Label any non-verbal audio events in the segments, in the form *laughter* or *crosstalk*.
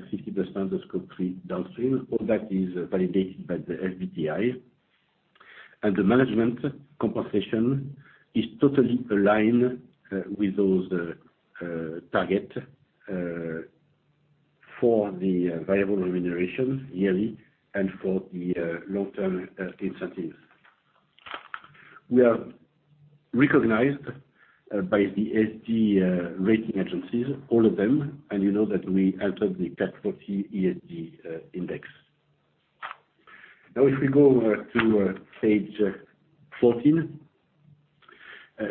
50% of scope three downstream. All that is validated by the SBTi. The management compensation is totally aligned with those targets for the variable remuneration yearly and for the long-term incentives. We are recognized by the ESG rating agencies, all of them, and you know that we entered the CAC 40 ESG Index. If we go to page 14,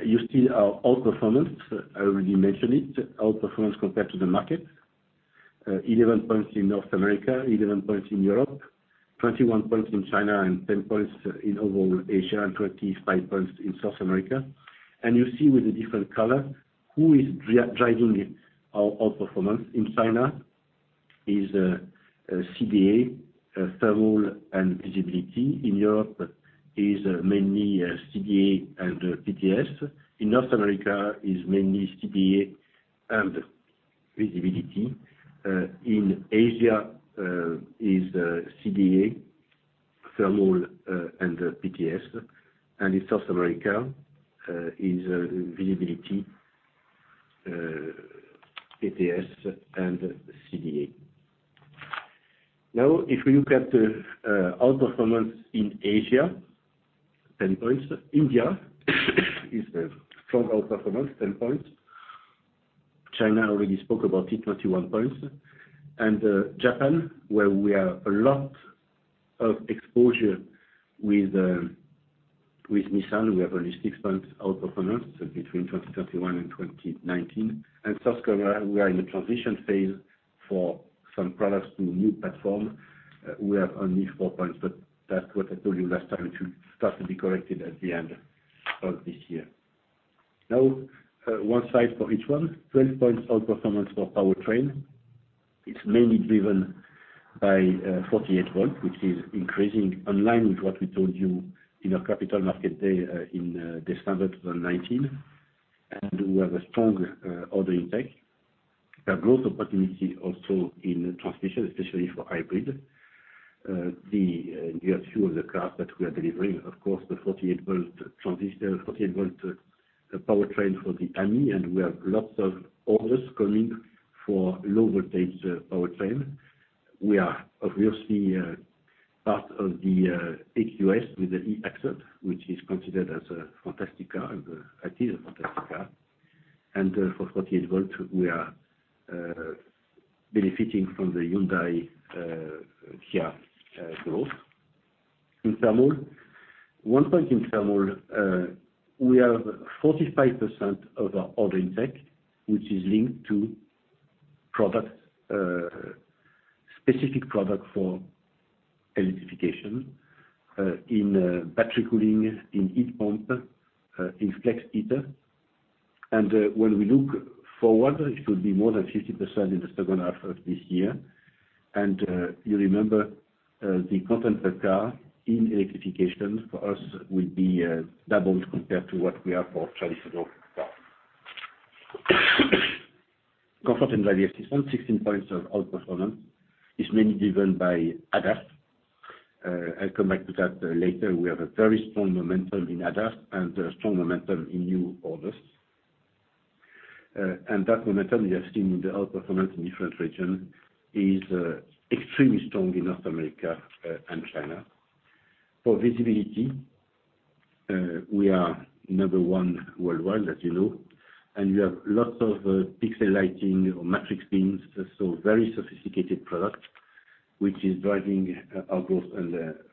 you see our outperformance. I already mentioned it. Outperformance compared to the market. 11 points in North America, 11 points in Europe, 21 points in China, and 10 points in overall Asia, and 25 points in South America. You see with the different color who is driving our outperformance. In China is CDA, thermal, and visibility. In Europe is mainly CDA and PTS. In North America is mainly CDA and visibility. In Asia is CDA, thermal, and PTS. In South America is visibility, PTS, and CDA. If we look at outperformance in Asia, 10 points. India is a strong outperformance, 10 points. China, I already spoke about it, 21 points. Japan, where we have a lot of exposure with Nissan, we have only six points outperformance between 2021 and 2019. South Korea, we are in a transition phase for some products to a new platform. We have only four points, that's what I told you last time. It should start to be corrected at the end of this year. One slide for each one. 12 points outperformance for powertrain. It's mainly driven by 48 V, which is increasing in line with what we told you in our Capital Markets Day in December 2019. We have a strong order intake. We have growth opportunity also in transmission, especially for hybrid. You have few of the cars that we are delivering. Of course, the 48 V powertrain for the Ami. We have lots of orders coming for low-voltage powertrain. We are obviously part of the EQS with the eAxle, which is considered as a fantastic car, and it is a fantastic car. For 48 V, we are benefiting from the Hyundai Kia growth. In thermal, one point in thermal, we have 45% of our order intake, which is linked to specific product for electrification, in battery cooling, in heat pump, in flex heater. When we look forward, it will be more than 50% in the second half of this year. You remember, the content per car in electrification for us will be doubled compared to what we have for traditional car. Comfort and driver assistance, 16 points of outperformance. It's mainly driven by ADAS. I'll come back to that later. We have a very strong momentum in ADAS and a strong momentum in new orders. That momentum, you have seen with the outperformance in different regions, is extremely strong in North America and China. For visibility, we are number one worldwide, as you know, and we have lots of pixel lighting or matrix beams. Very sophisticated product, which is driving our growth.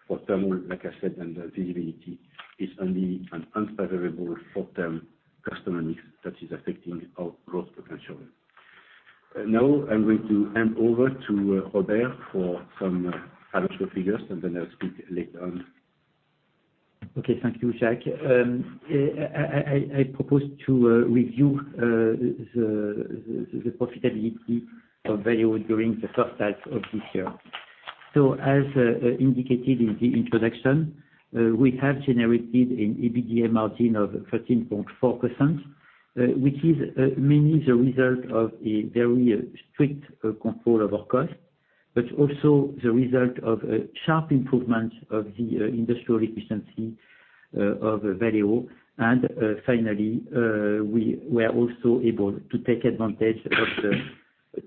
For thermal, like I said, and visibility, is only an unfavorable short-term customer mix that is affecting our growth potential. Now, I'm going to hand over to Robert for some financial figures, and then I'll speak later on. Okay. Thank you, Jacques. I propose to review the profitability of Valeo during the first half of this year. As indicated in the introduction, we have generated an EBITDA margin of 13.4%, which is mainly the result of a very strict control of our cost, but also the result of a sharp improvement of the industrial efficiency of Valeo. Finally, we were also able to take advantage of the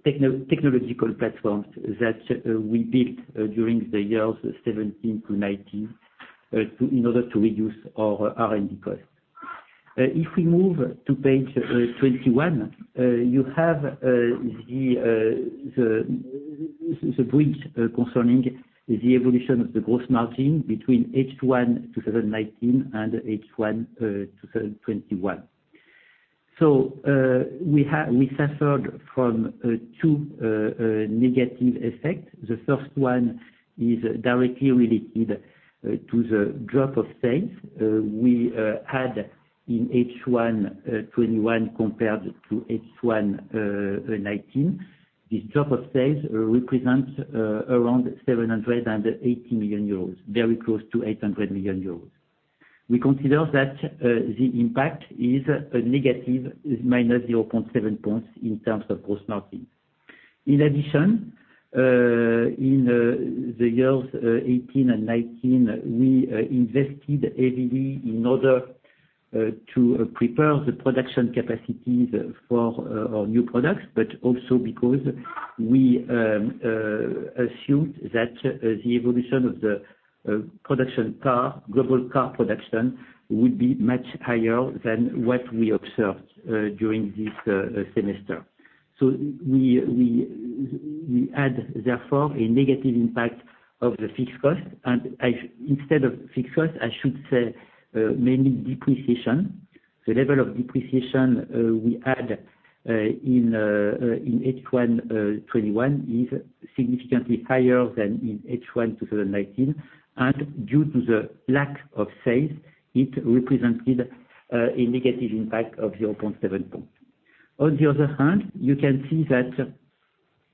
technological platforms that we built during the years 2017 to 2019 in order to reduce our R&D cost. If we move to page 21, you have the bridge concerning the evolution of the gross margin between H1 2019 and H1 2021. We suffered from two negative effects. The first one is directly related to the drop of sales we had in H1 2021 compared to H1 2019. This drop of sales represents around 780 million euros, very close to 800 million euros. We consider that the impact is a negative -0.7 points in terms of gross margin. In addition, in the years 2018 and 2019, we invested heavily in order to prepare the production capacities for our new products, also because we assumed that the evolution of global car production would be much higher than what we observed during this semester. We had, therefore, a negative impact of the fixed costs. Instead of fixed costs, I should say mainly depreciation. The level of depreciation we had in H1 2021 is significantly higher than in H1 2019. Due to the lack of sales, it represented a negative impact of 0.7 points. You can see that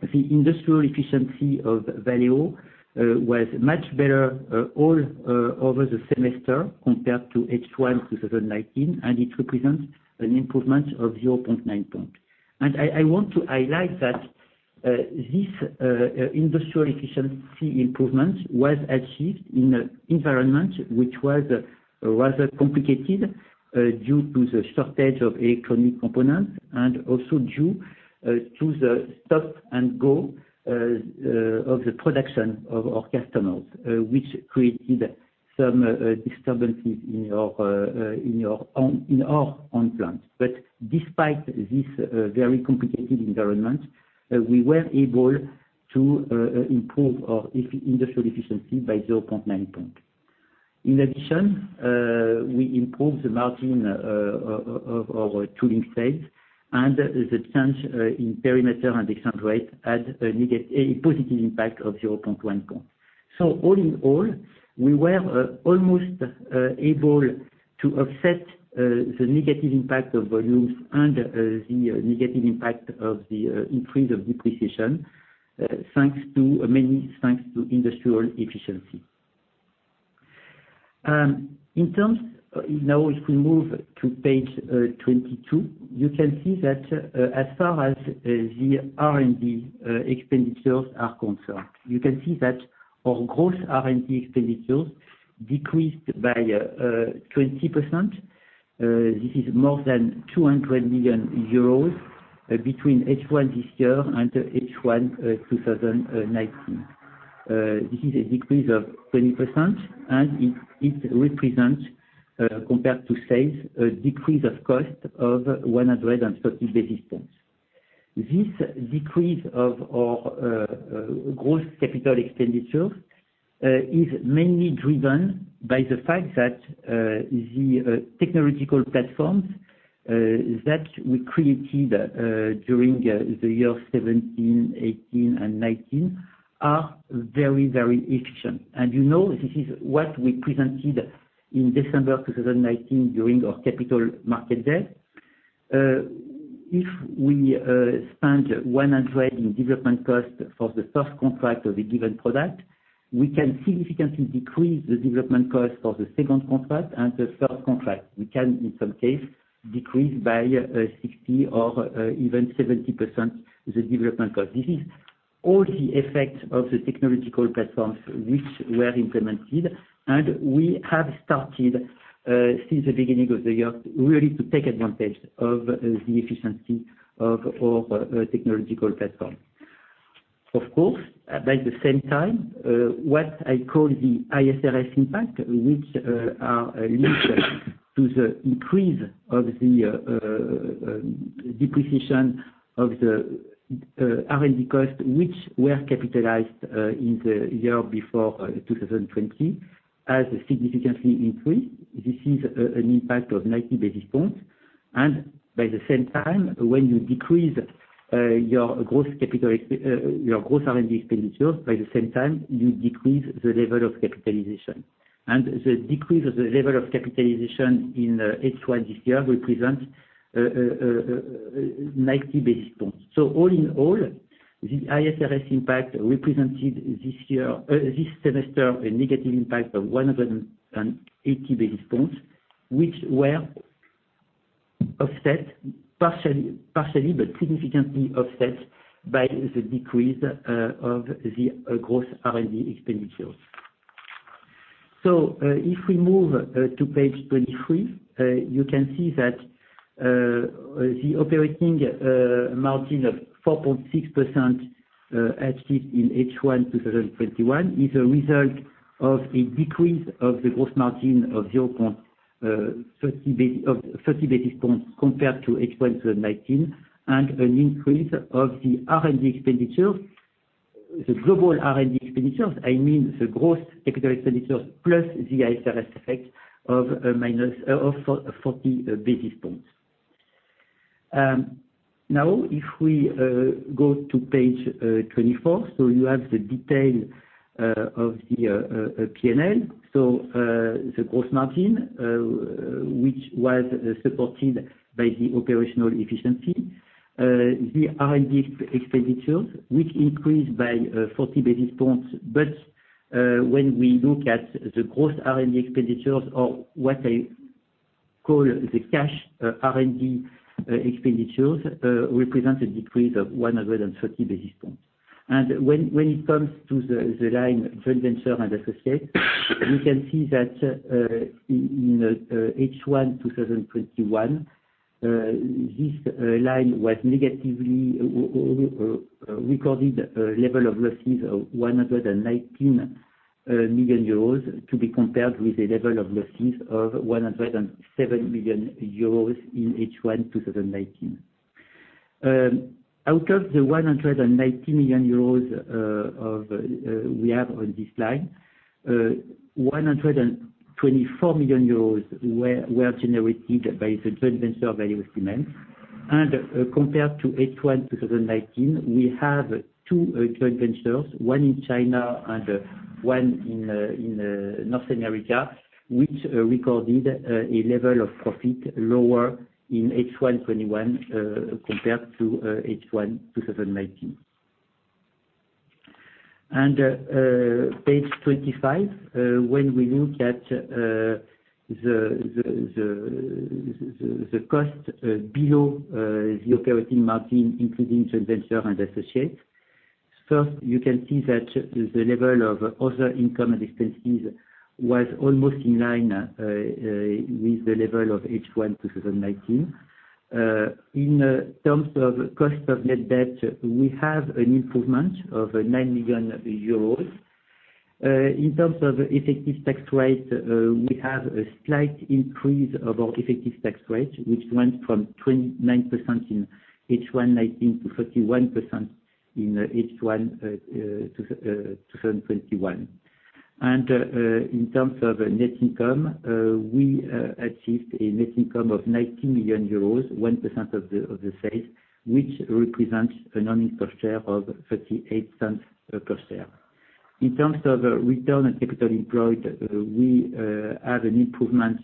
the industrial efficiency of Valeo was much better all over the semester compared to H1 2019, and it represents an improvement of 0.9 points. I want to highlight that this industrial efficiency improvement was achieved in an environment which was rather complicated due to the shortage of electronic components and also due to the stop and go of the production of our customers, which created some disturbances in our own plant. Despite this very complicated environment, we were able to improve our industrial efficiency by 0.9 points. In addition, we improved the margin of our tooling sales, and the change in perimeter and mix rate had a positive impact of 0.1 points. All in all, we were almost able to offset the negative impact of volumes and the negative impact of the increase of depreciation mainly thanks to industrial efficiency. If we move to page 22, you can see that as far as the R&D expenditures are concerned, you can see that our gross R&D expenditures decreased by 20%. This is more than 200 million euros between H1 this year and H1 2019. This is a decrease of 20% and it represents, compared to sales, a decrease of cost of 130 basis points. This decrease of our gross Capital Expenditure is mainly driven by the fact that the technological platforms that we created during the year 2017, 2018 and 2019 are very efficient. You know this is what we presented in December 2019 during our Capital Markets Day. If we spend 100 in development cost for the first contract of a given product, we can significantly decrease the development cost for the second contract and the third contract. We can, in some cases, decrease by 60% or even 70% the development cost. This is all the effect of the technological platforms which were implemented, and we have started, since the beginning of the year, really to take advantage of the efficiency of our technological platform. Of course, at the same time, what I call the IFRS impact, which are linked to the increase of the depreciation of the R&D cost, which were capitalized in the year before 2020, has significantly increased. This is an impact of 90 basis points. By the same time, when you decrease your gross R&D expenditures, by the same time, you decrease the level of capitalization. The decrease of the level of capitalization in H1 this year represents 90 basis points. All in all, the IFRS impact represented this semester a negative impact of 180 basis points, which were partially but significantly offset by the decrease of the gross R&D expenditures. If we move to page 23, you can see that the operating margin of 4.6% achieved in H1 2021 is a result of a decrease of the gross margin of 30 basis points compared to H1 2019 and an increase of the R&D expenditures. The global R&D expenditures, I mean the gross expenditure plus the IFRS effect of -40 basis points. If we go to page 24, you have the detail of the P&L. [Which cost nothing.] Which was supported by the operational efficiency. The R&D expenditures, which increased by 40 basis points, when we look at the gross R&D expenditures or what I call the cash R&D expenditures, represent a decrease of 130 basis points. When it comes to the line, joint venture and associates, we can see that in H1 2021, this line was negatively recorded a level of losses of 119 million euros, to be compared with a level of losses of 107 million euros in H1 2019. Out of the 190 million euros we have on this line, 124 million euros were generated by the joint venture Valeo Siemens. Compared to H1 2019, we have two joint ventures, one in China and one in North America, which recorded a level of profit lower in H1 2021, compared to H1 2019. Page 25, when we look at the cost below the operating margin, including joint venture and associates. You can see that the level of other income and expenses was almost in line with the level of H1 2019. In terms of cost of net debt, we have an improvement of 9 million euros. In terms of effective tax rate, we have a slight increase of our effective tax rate, which went from 29% in H1 2019 to 31% in H1 2021. In terms of net income, we achieved a net income of 90 million euros, 1% of the sales, which represents a non-IFRS share of 0.38/share. In terms of return on capital employed, we have an improvement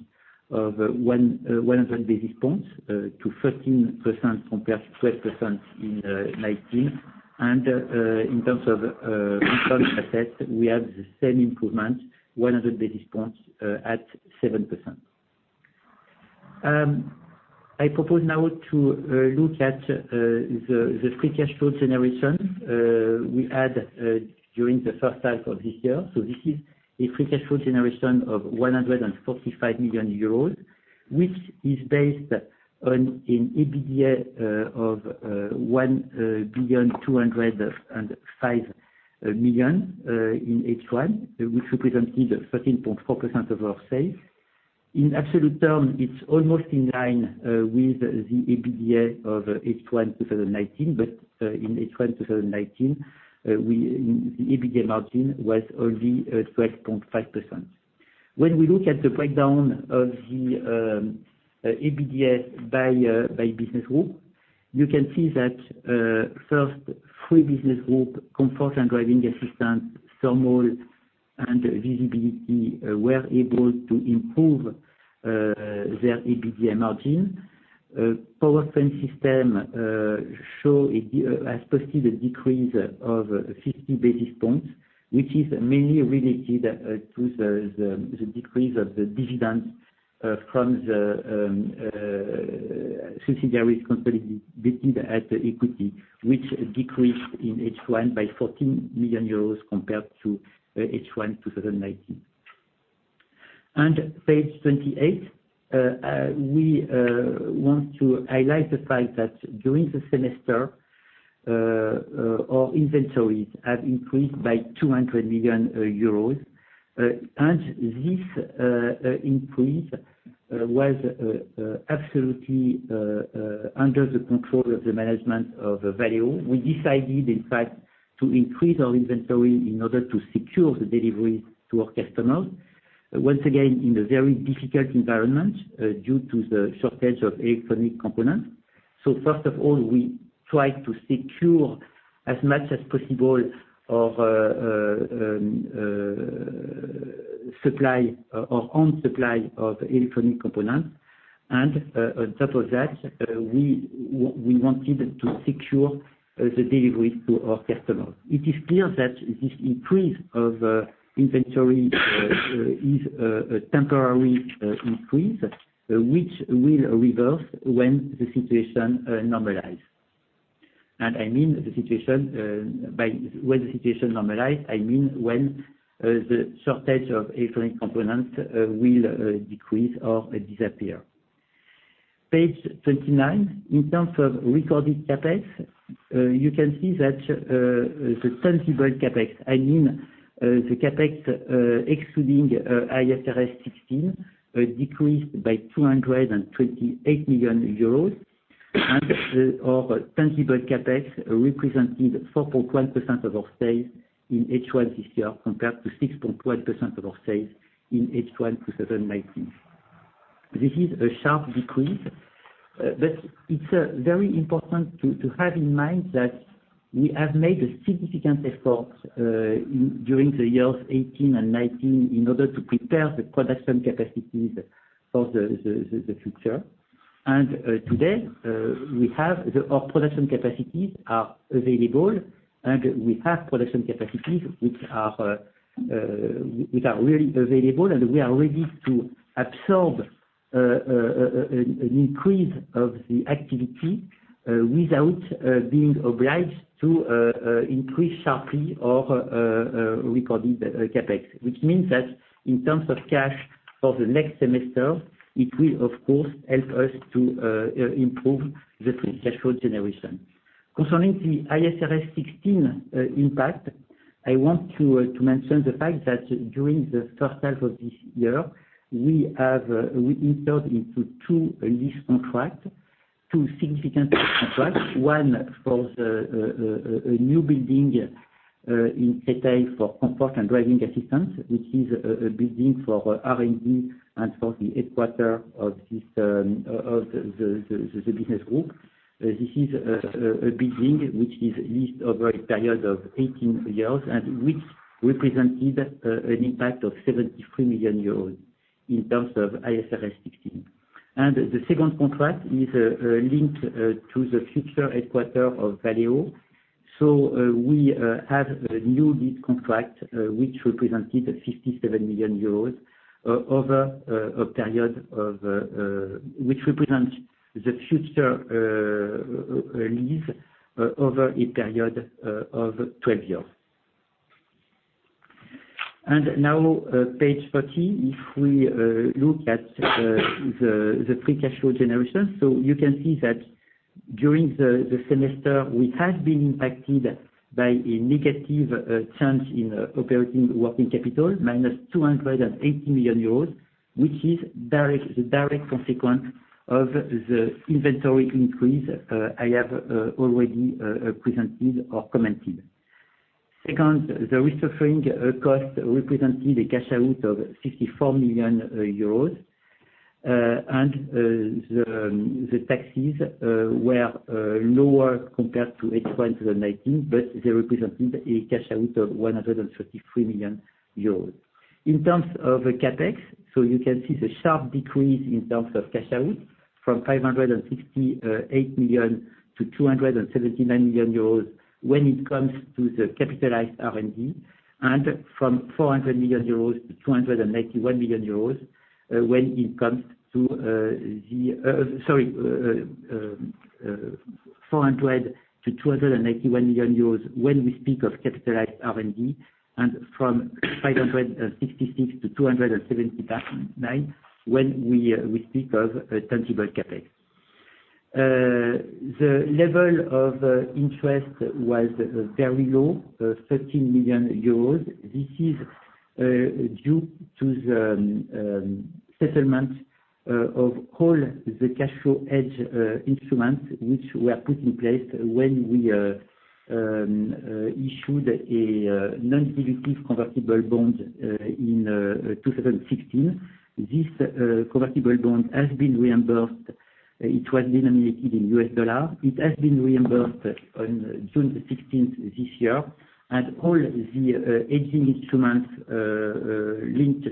of 100 basis points to 13% compared to 12% in 2019. In terms of return on assets, we have the same improvement, 100 basis points at 7%. I propose now to look at the free cash flow generation we had during the first half of this year. This is a free cash flow generation of 145 million euros, which is based on an EBITDA of 1,205,000 in H1, which represented 13.4% of our sales. In absolute terms, it's almost in line with the EBITDA of H1 2019, but in H1 2019, the EBITDA margin was only at 12.5%. When we look at the breakdown of the EBITDA by business group, you can see that first three business group, Comfort and Driving Assistance, Thermal, and Visibility, were able to improve their EBITDA margin. Powertrain System has posted a decrease of 50 basis points, which is mainly related to the decrease of the dividends from the subsidiaries consolidated at the equity, which decreased in H1 by 14 million euros compared to H1 2019. Page 28, we want to highlight the fact that during the semester, our inventories have increased by 200 million euros. This increase was absolutely under the control of the management of Valeo. We decided, in fact, to increase our inventory in order to secure the delivery to our customers. Once again, in a very difficult environment due to the shortage of electronic components. First of all, we try to secure as much as possible our own supply of electronic components. On top of that, we wanted to secure the delivery to our customers. It is clear that this increase of inventory is a temporary increase, which will reverse when the situation normalize. By when the situation normalize, I mean when the shortage of electronic components will decrease or disappear. Page 29. In terms of recorded CapEx, you can see that the tangible CapEx, I mean, the CapEx excluding IFRS 16, decreased by 228 million euros, and our tangible CapEx represented 4.1% of our sales in H1 this year, compared to 6.1% of our sales in H1 2019. This is a sharp decrease. It's very important to have in mind that we have made a significant effort during the years 2018 and 2019 in order to prepare the production capacities of the future. Today, our production capacities are available, and we have production capacities which are really available, and we are ready to absorb an increase of the activity without being obliged to increase sharply or recording the CapEx. Which means that in terms of cash for the next semester, it will, of course, help us to improve the free cash flow generation. Concerning the IFRS 16 impact, I want to mention the fact that during the first half of this year, we entered into two lease contracts, two significant contracts. One for a new building in Taipei for comfort and driving assistance, which is a building for R&D and for the headquarter of the business group. This is a building which is leased over a period of 18 years and which represented an impact of 73 million euros in terms of IFRS 16. The second contract is linked to the future headquarter of Valeo. We have a new lease contract which represented EUR 57 million, which represents the future lease over a period of 12 years. Now, page 40. If we look at the free cash flow generation. You can see that during the semester, we have been impacted by a negative change in operating working capital, minus 280 million euros, which is the direct consequence of the inventory increase I have already presented or commented. Second, the restructuring cost represented a cash out of 54 million euros. The taxes were lower compared to H1 2019, but they represented a cash out of 133 million euros. In terms of CapEx, you can see the sharp decrease in terms of cash out from 568 million to 279 million euros when it comes to the capitalized R&D. From 400 million euros to 291 million euros when we speak of capitalized R&D and from EUR 566 to EUR 279 when we speak of tangible CapEx. The level of interest was very low, 13 million euros. This is due to the settlement of all the cash flow hedge instruments which were put in place when we issued a non-dilutive convertible bond in 2016. This convertible bond has been reimbursed. It was denominated in U.S. dollars. It has been reimbursed on June 16th this year. All the hedging instruments linked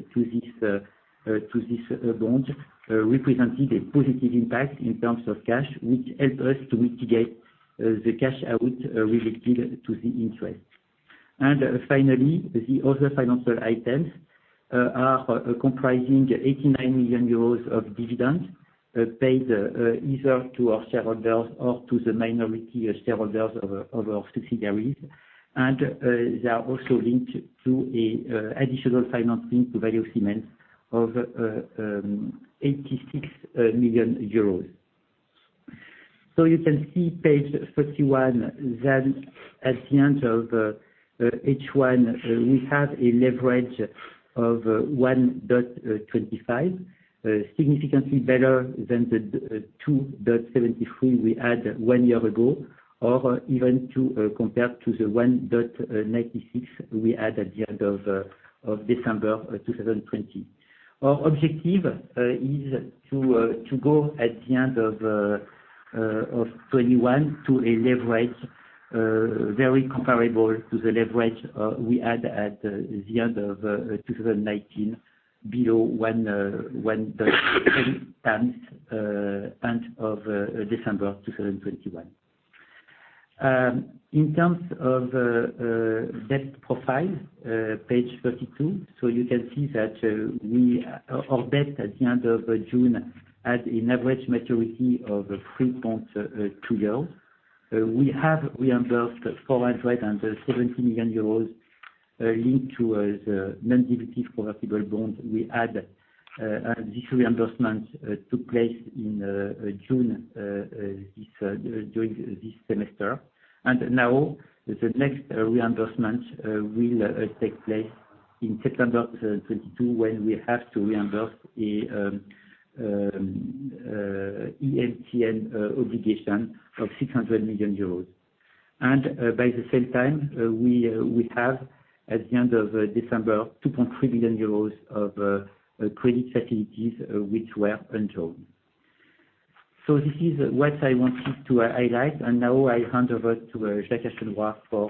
to this bond represented a positive impact in terms of cash, which helped us to mitigate the cash out related to the interest. Finally, the other financial items are comprising 89 million euros of dividends paid either to our shareholders or to the minority shareholders of our subsidiaries. They are also linked to additional financing to Valeo Siemens of 86 million euros. You can see page 51, that at the end of H1, we have a leverage of 1.25x, significantly better than the 2.73x we had one year ago, or even compared to the 1.96x we had at the end of December 2020. Our objective is to go at the end of 2021 to a leverage very comparable to the leverage we had at the end of 2019, below 1.10x as of December 2021. In terms of debt profile, page 32. You can see that our debt at the end of June had an average maturity of 3.2 years. We have reimbursed 470 million euros linked to the non-dilutive convertible bond we had. This reimbursement took place in June during this semester. Now the next reimbursement will take place in September 2022, when we have to reimburse a EMTN obligation of 600 million euros. And by the same time, we have at the end of December, 2.3 billion euros of credit facilities which were undrawn. This is what I wanted to highlight, and now I hand over to Jacques Aschenbroich for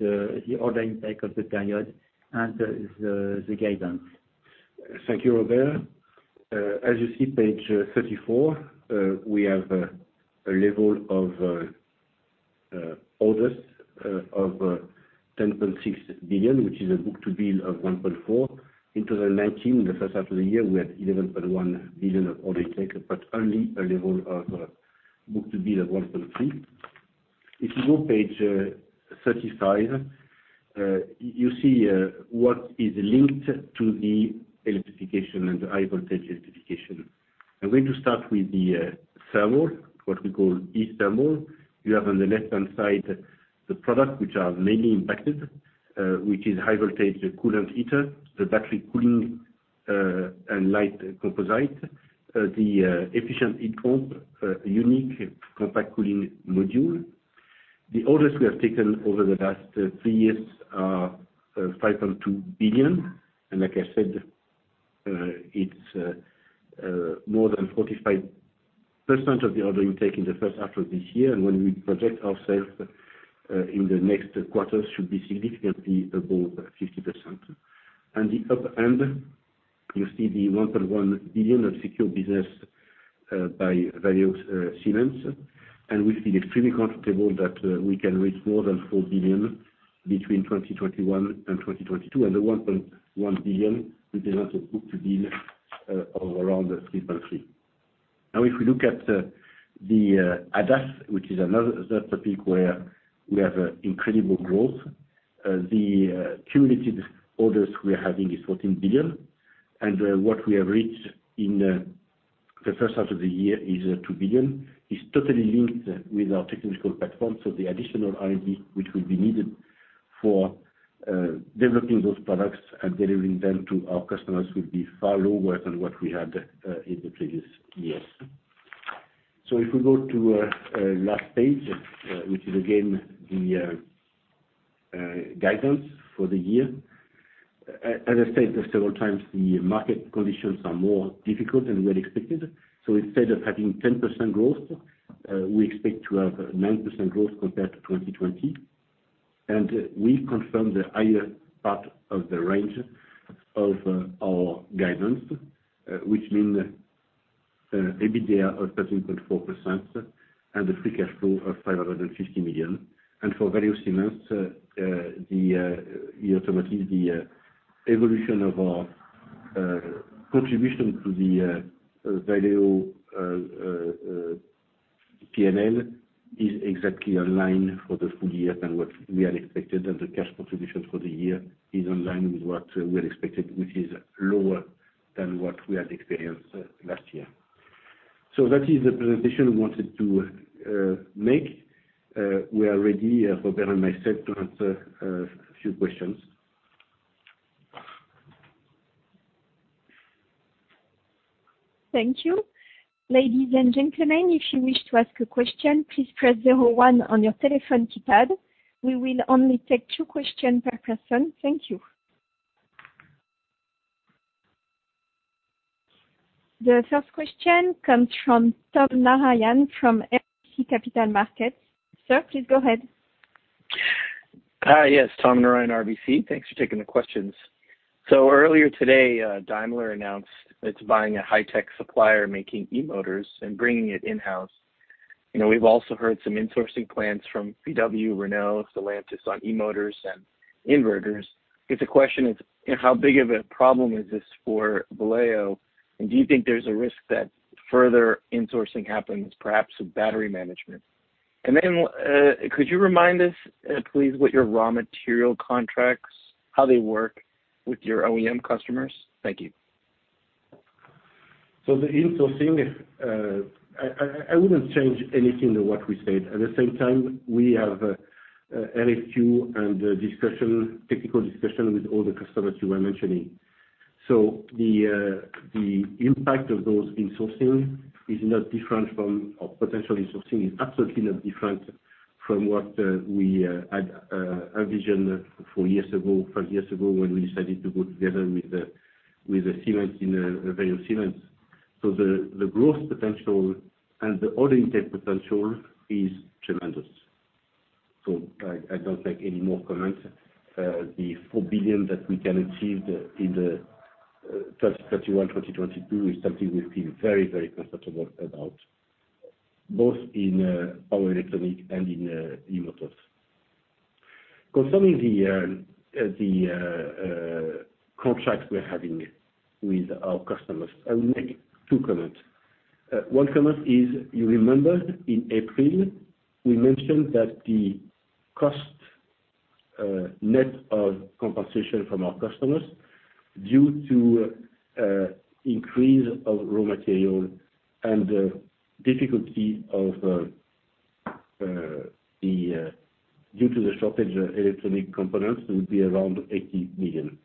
the order intake of the period and the guidance. Thank you, Robert. As you see, page 34, we have a level of orders of 10.6 billion, which is a book-to-bill of 1.4. In 2019, the first half of the year, we had 11.1 billion of order intake, but only a level of book-to-bill of 1.3. If you go page 35, you see what is linked to the electrification and the high voltage electrification. I am going to start with the thermal, what we call eThermal. You have on the left-hand side the product which are mainly impacted, which is high voltage coolant heater, the battery cooling and light composite, the efficient heat pump, unique compact cooling module. The orders we have taken over the last three years are 5.2 billion. Like I said, it is more than 45% of the order intake in the first half of this year. When we project ourselves in the next quarter, should be significantly above 50%. The top end, you see the 1.1 billion of secure business by Valeo Siemens, and we feel extremely comfortable that we can reach more than 4 billion between 2021 and 2022 and the 1.1 billion represents a book-to-bill of around 3.3. If we look at the ADAS, which is another topic where we have incredible growth. The cumulative orders we are having is 14 billion, and what we have reached in the first half of the year is 2 billion. It's totally linked with our technical platform, the additional R&D which will be needed for developing those products and delivering them to our customers will be far lower than what we had in the previous years. If we go to last page, which is again the guidance for the year. As I said several times, the market conditions are more difficult than we had expected. Instead of having 10% growth, we expect to have 9% growth compared to 2020. We confirm the higher part of the range of our guidance, which mean EBITDA of 13.4% and the free cash flow of 550 million. For Valeo Siemens, the evolution of our contribution to the Valeo P&L is exactly online for the full year than what we had expected. The cash contribution for the year is online with what we had expected, which is lower than what we had experienced last year. That is the presentation I wanted to make. We are ready, Robert and myself, to answer a few questions. Thank you. Ladies and gentlemen, if you wish to ask a question, please press zero one on your telephone keypad. We will only take two questions per person. Thank you. The first question comes from Tom Narayan from RBC Capital Markets. Sir, please go ahead. Hi, yes, Tom Narayan, RBC. Thanks for taking the questions. Earlier today, Daimler announced it's buying a high-tech supplier making e-motors and bringing it in-house. We've also heard some insourcing plans from VW, Renault, Stellantis on e-motors and inverters. I guess the question is how big of a problem is this for Valeo, and do you think there's a risk that further insourcing happens, perhaps with battery management? Could you remind us, please, what your raw material contracts, how they work with your OEM customers? Thank you. The insourcing, I wouldn't change anything to what we said. At the same time, we have RFQ and technical discussion with all the customers you were mentioning. The impact of those insourcing is not different or potential insourcing is absolutely not different from what we had envisioned four years ago, five years ago when we decided to go together with Siemens in Valeo Siemens. The growth potential and the order intake potential is tremendous. I don't take any more comments. The 4 billion that we can achieve in the 31, 2022 is something we feel very, very comfortable about, both in power electronics and in e-motors. Concerning the contracts we're having with our customers, I will make two comments. One comment is, you remember in April, we mentioned that the cost net of compensation from our customers due to increase of raw material and the difficulty due to the shortage of electronic components will be around 80 million.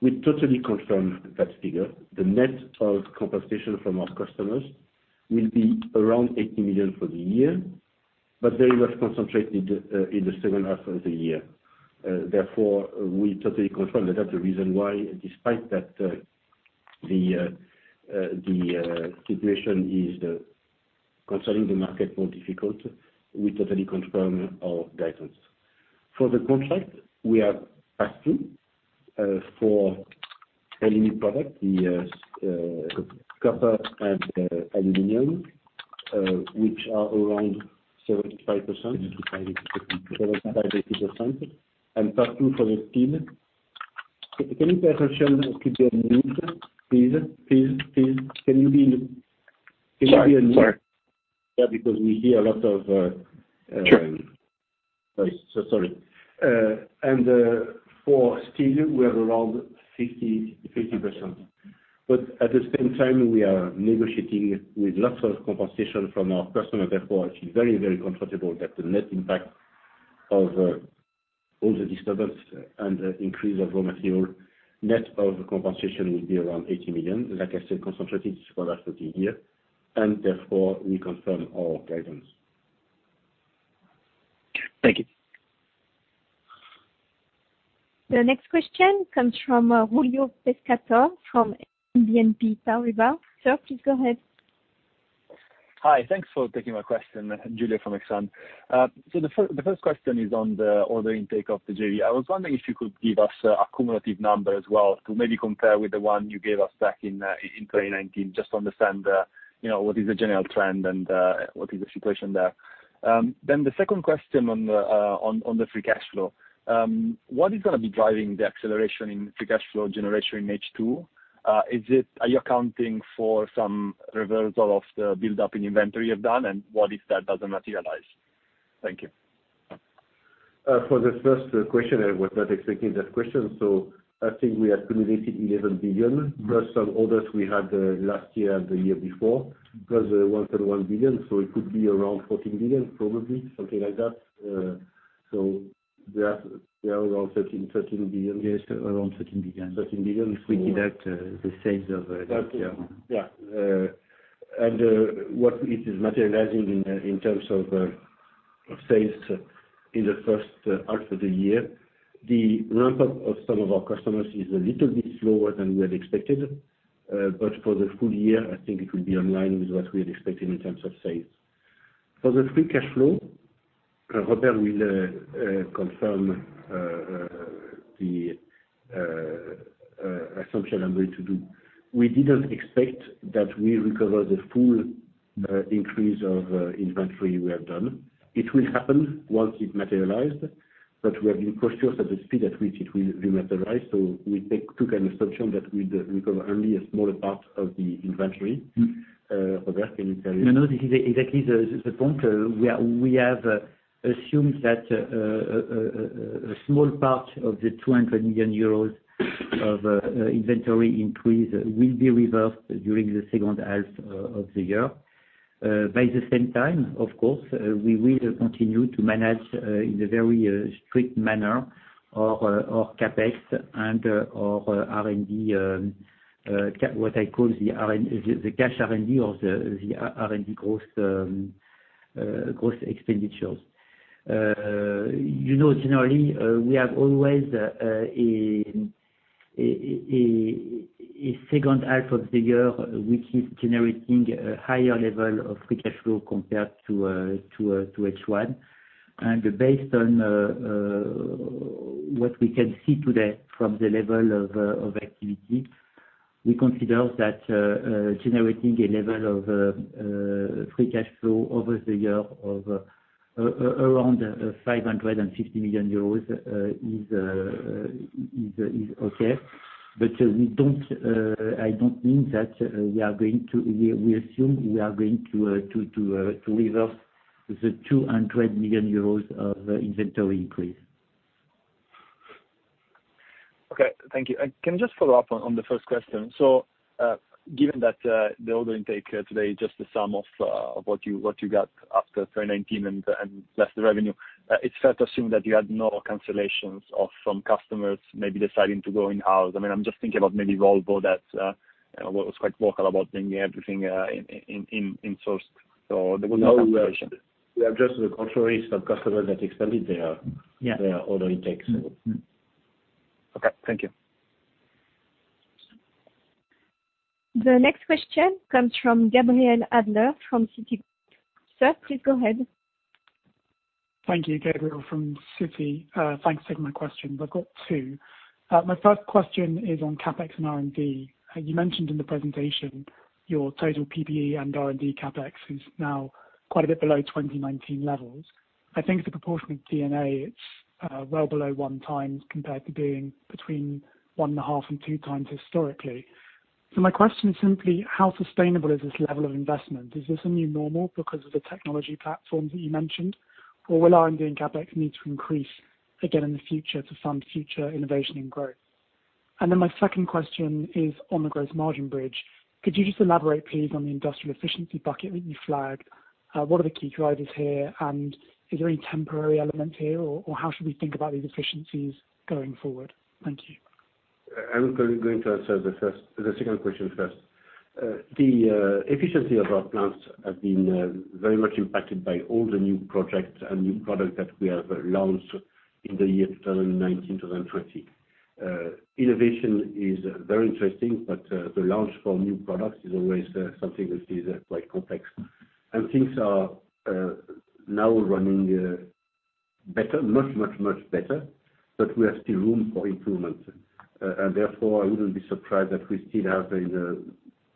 We totally confirm that figure. The net of compensation from our customers will be around 80 million for the year, but very well concentrated in the second half of the year. We totally confirm that. That's the reason why, despite that the situation is concerning the market more difficult, we totally confirm our guidance. For the contract, we are passing for any new product, the copper and aluminum, which are around 75%, 80%, and partial for the steel. [Can you bear with me?] Please. Can you be on mute? Sorry. Yeah, because we hear a lot of. Sure. Sorry. For steel, we are around 50%. At the same time, we are negotiating with lots of compensation from our personnel, therefore, I feel very, very comfortable that the net impact of all the disturbance and increase of raw material, net of compensation, will be around 80 million. Like I said, concentrated for [hat 30 year.] Therefore, we confirm our guidance. Thank you. The next question comes from Giulio Pescatore from BNP Paribas. Sir, please go ahead. Hi. Thanks for taking my question. Giulio from Exane. The first question is on the order intake of the JV. I was wondering if you could give us a cumulative number as well to maybe compare with the one you gave us back in 2019, just to understand what is the general trend and what is the situation there. The second question on the free cash flow. What is going to be driving the acceleration in free cash flow generation in H2? Are you accounting for some reversal of the buildup in inventory you've done, and what if that doesn't materialize? Thank you. For the first question, I was not expecting that question. I think we accumulated 11 billion plus some orders we had last year and the year before, plus 1.1 billion. It could be around 14 billion, probably, something like that. They are around 13 billion. Yes, around 13 billion. 13 billion. If we deduct the sales of last year. Yeah. What it is materializing in terms of sales in the first half of the year, the ramp-up of some of our customers is a little bit slower than we had expected. For the full year, I think it will be in line with what we had expected in terms of sales. For the free cash flow, Robert will confirm the assumption I'm going to do. We didn't expect that we'll recover the full increase of inventory we have done. It will happen once it materialized, but we have been cautious at the speed at which it will materialize, so we took an assumption that we recover only a smaller part of the inventory. Robert, can you tell me? No, this is exactly the point. We have assumed that a small part of the 200 million euros of inventory increase will be reversed during the second half of the year. By the same time, of course, we will continue to manage in a very strict manner our CapEx and our R&D, what I call the cash R&D or the R&D growth expenditures. Generally, we have always a second half of the year which is generating a higher level of free cash flow compared to H1. Based on what we can see today from the level of activity, we consider that generating a level of free cash flow over the year of around 550 million euros is okay. I don't mean that we assume we are going to reverse the 200 million euros of inventory increase. Okay. Thank you. Can I just follow up on the first question? Given that the order intake today, just the sum of what you got after 2019 and less the revenue, it's fair to assume that you had no cancellations of some customers maybe deciding to go in-house. I'm just thinking about maybe Volvo that was quite vocal about bringing everything in-sourced, so there was no cancellation. No. We are just to the contrary. Some customers that expanded their order intake. Okay. Thank you. The next question comes from Gabriel Adler from Citi. Sir, please go ahead. Thank you. Gabriel from Citi. Thanks for taking my question. I have got two. My first question is on CapEx and R&D. You mentioned in the presentation your total PPE and R&D CapEx is now quite a bit below 2019 levels. I think the proportion of D&A, it is well below 1x compared to being between 1.5x and 2x historically. My question is simply how sustainable is this level of investment? Is this a new normal because of the technology platform that you mentioned, or will R&D and CapEx need to increase again in the future to fund future innovation and growth? My second question is on the gross margin bridge. Could you just elaborate, please, on the industrial efficiency bucket that you flagged? What are the key drivers here, and is there any temporary element here, or how should we think about these efficiencies going forward? Thank you. I'm going to answer the second question first. The efficiency of our plants has been very much impacted by all the new projects and new products that we have launched in the year 2019-2020. Innovation is very interesting, the launch for new products is always something that is quite complex. Things are now running better, much better, we have still room for improvement. Therefore, I wouldn't be surprised that we still have, in the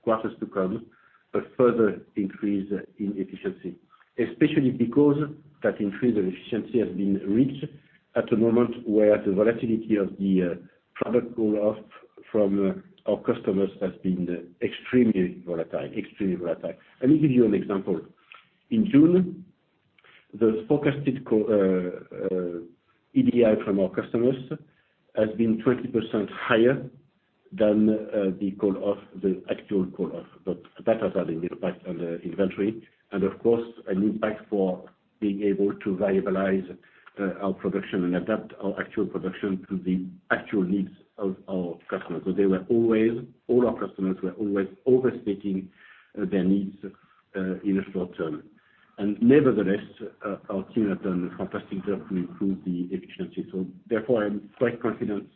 quarters to come, a further increase in efficiency. Especially because that increase in efficiency has been reached at a moment where the volatility of the product call-off from our customers has been extremely volatile. Let me give you an example. In June, the forecasted EDI from our customers has been 20% higher than the actual call-off. That has had an impact on the inventory. Of course, an impact for being able to viabilize our production and adapt our actual production to the actual needs of our customers, because all our customers were always overstating their needs in a short term. Nevertheless, our team has done a fantastic job to improve the efficiency. Therefore, I'm quite confident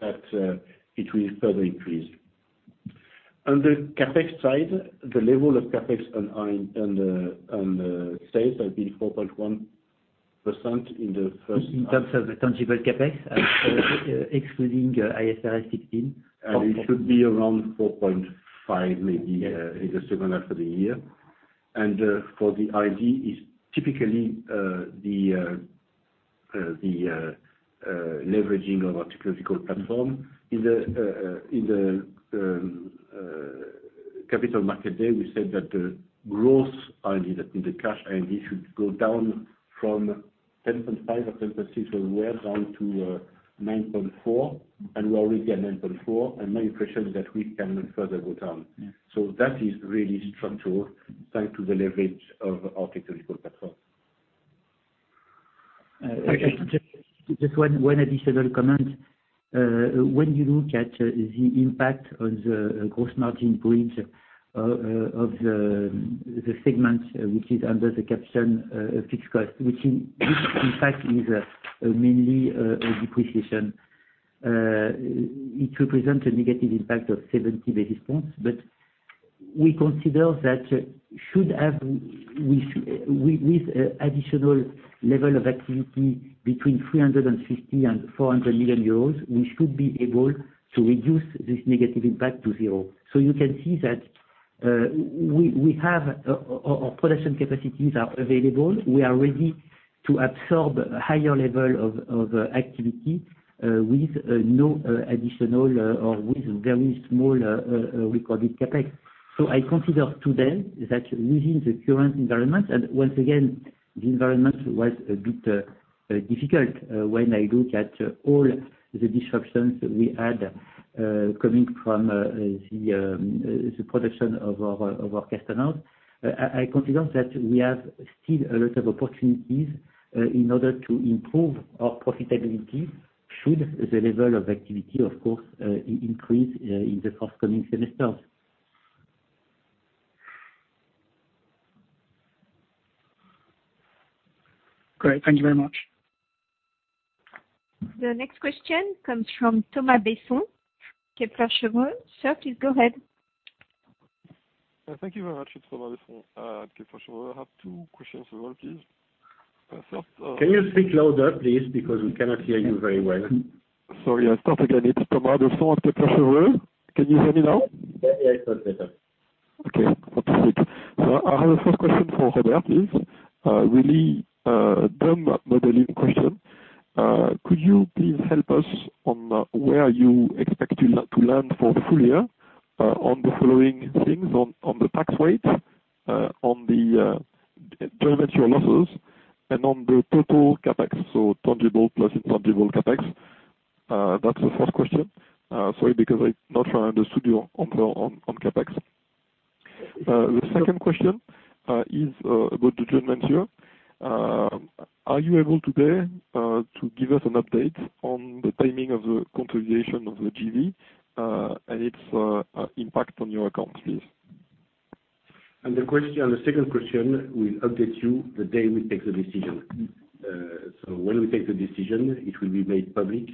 that it will further increase. On the CapEx side, the level of CapEx on the sales has been 4.1% in the first half. In terms of the tangible CapEx, excluding IFRS 16. It should be around 4.5%, maybe, in the second half of the year. For the R&D, it's typically the leveraging of our technological platform. In the Capital Markets Day, we said that the growth R&D, the cash R&D, should go down from 10.5% or 10.6%, where we were, down to 9.4%. We already are 9.4%, and my impression is that we can further go down. That is really structural, thanks to the leverage of our technological platform. Okay. Just one additional comment. When you look at the impact on the gross margin points of the segment, which is under the caption fixed cost, which in fact is mainly a depreciation. It represents a negative impact of 70 basis points. We consider that with additional level of activity between 350 million and 400 million euros, we should be able to reduce this negative impact to zero. You can see that our production capacities are available. We are ready to absorb higher level of activity with no additional or with very small recorded CapEx. I consider today that within the current environment, and once again, the environment was a bit difficult when I look at all the disruptions we had coming from the production of our customers. I consider that we have still a lot of opportunities in order to improve our profitability should the level of activity, of course, increase in the forthcoming semesters. Great. Thank you very much. The next question comes from Thomas Besson, Kepler Cheuvreux. Sir, please go ahead. Thank you very much. It's Thomas Besson, Kepler Cheuvreux. I have two questions overall, please. Can you speak louder, please, because we cannot hear you very well? Sorry, I'll start again. It's Thomas Besson, Kepler Cheuvreux. Can you hear me now? Yeah, it's much better. Okay, fantastic. I have a first question for Robert, please. Really dumb modeling question. Could you please help us on where you expect to land for full year on the following things, on the tax rate, on the joint venture losses, and on the total CapEx, so tangible plus intangible CapEx? That's the first question. Sorry, because I'm not sure I understood you on CapEx. The second question is about the joint venture. Are you able today to give us an update on the timing of the contribution of the JV, and its impact on your accounts, please? The second question, we'll update you the day we take the decision. When we take the decision, it will be made public,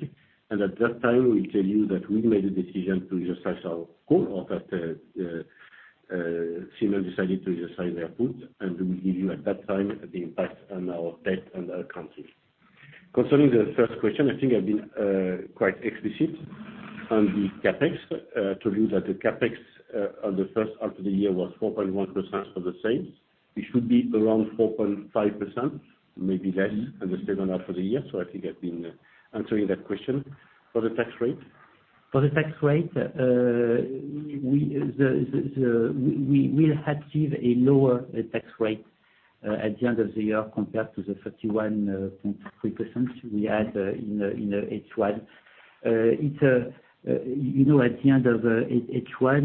and at that time, we'll tell you that we made a decision to exercise our call or that Siemens decided to exercise their put, and we will give you at that time the impact on our debt and our accounts. Concerning the first question, I think I've been quite explicit on the CapEx, telling you that the CapEx on the first half of the year was 4.1% of the sales. It should be around 4.5%, maybe less, in the second half of the year. I think I've been answering that question. For the tax rate? For the tax rate, we will achieve a lower tax rate at the end of the year compared to the 31.3% we had in H1. At the end of H1,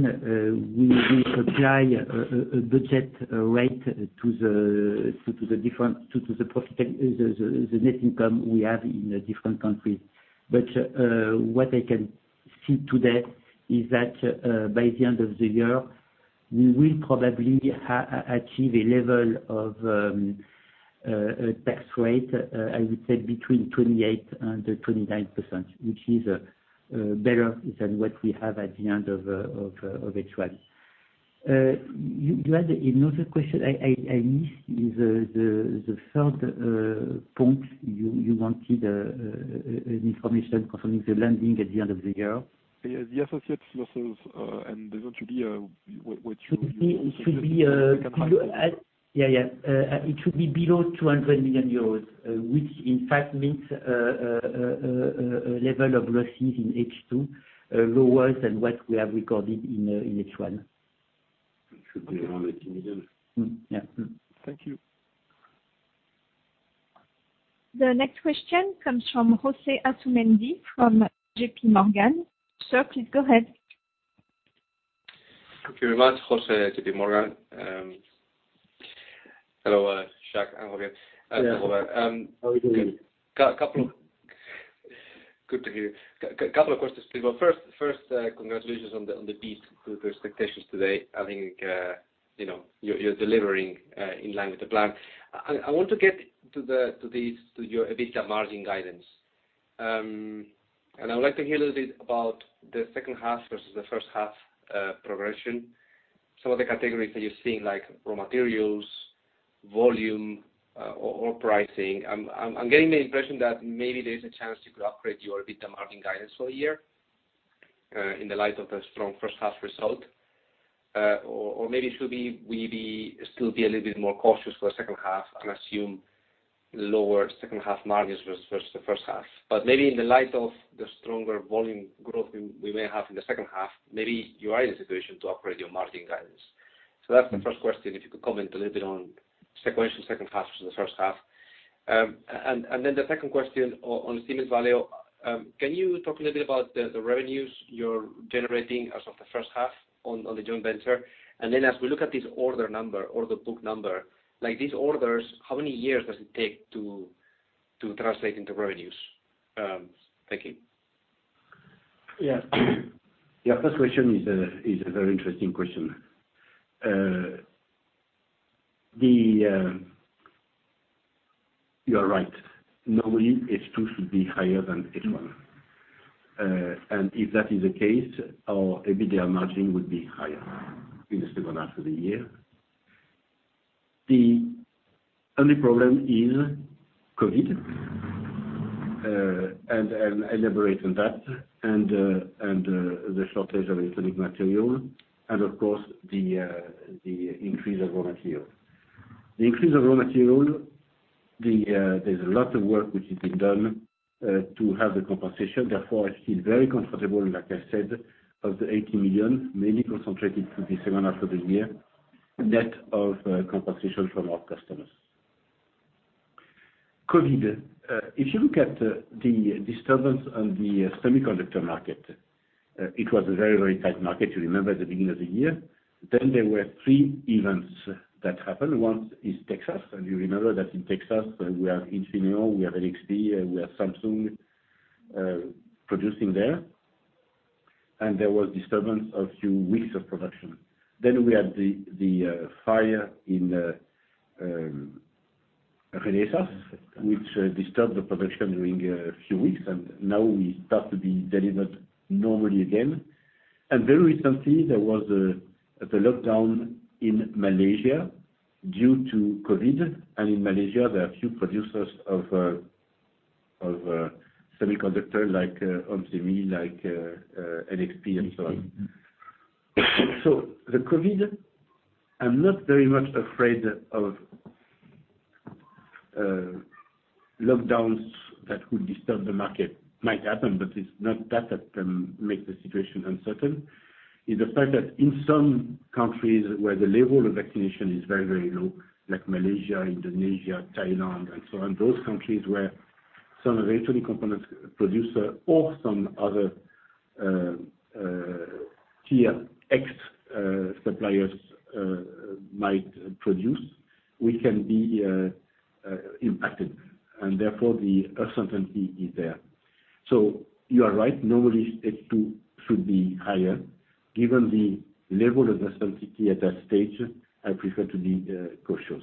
we apply a budget rate to the net income we have in the different countries. What I can see today is that by the end of the year, we will probably achieve a level of tax rate, I would say between 28% and 29%, which is better than what we have at the end of H1. You had another question I missed, the third point you wanted information concerning the landing at the end of the year. Yes. The associates' losses. It should be below 200 million euros, which in fact means a level of losses in H2, lower than what we have recorded in H1. It should be around EUR 80 million. Yeah. Thank you. The next question comes from Jose Asumendi from JPMorgan. Sir, please go ahead. Thank you very much, Jose, JPMorgan. Hello, Jacques and Robert. Yes. How are you doing? Good to hear. A couple of questions, please. First, congratulations on the beat to the expectations today. I think you're delivering in line with the plan. I want to get to your EBITDA margin guidance. I would like to hear a little bit about the second half versus the first half progression. Some of the categories that you're seeing, like raw materials, volume, or pricing. I'm getting the impression that maybe there's a chance you could upgrade your EBITDA margin guidance for a year, in the light of a strong first half result. Or maybe it should be, we still be a little bit more cautious for the second half and assume lower second half margins versus the first half. Maybe in the light of the stronger volume growth we may have in the second half, maybe you are in a situation to upgrade your margin guidance. That's the first question. If you could comment a little bit on sequential second half to the first half. The second question on Siemens Valeo. Can you talk a little bit about the revenues you're generating as of the first half on the joint venture? As we look at this order book number, like these orders, how many years does it take to translate into revenues? Thank you. Yeah. Your first question is a very interesting question. You are right. Normally, H2 should be higher than H1. If that is the case, our EBITDA margin would be higher in the second half of the year. The only problem is COVID, and I'll elaborate on that, and the shortage of electronic material, and of course, the increase of raw material. The increase of raw material, there's a lot of work which has been done, to have the compensation. Therefore, I feel very comfortable, like I said, of the 80 million mainly concentrated to the second half of the year, net of compensation from our customers. COVID. If you look at the disturbance on the semiconductor market, it was a very tight market, you remember at the beginning of the year. There were three events that happened. One is Texas. You remember that in Texas, we have Infineon, we have NXP, and we have Samsung producing there. There was disturbance of few weeks of production. We had the fire in Renesas, which disturbed the production during a few weeks, and now we start to be delivered normally again. Very recently, there was the lockdown in Malaysia due to COVID. In Malaysia, there are a few producers of semiconductor like ON Semiconductor, like NXP and so on. The COVID, I'm not very much afraid of lockdowns that could disturb the market. Might happen, but it's not that can make the situation uncertain. Is the fact that in some countries where the level of vaccination is very low, like Malaysia, Indonesia, Thailand and so on, those countries where some of the electronic components producer or some other tier X suppliers might produce, we can be impacted, therefore the uncertainty is there. You are right, normally H2 should be higher. Given the level of uncertainty at that stage, I prefer to be cautious.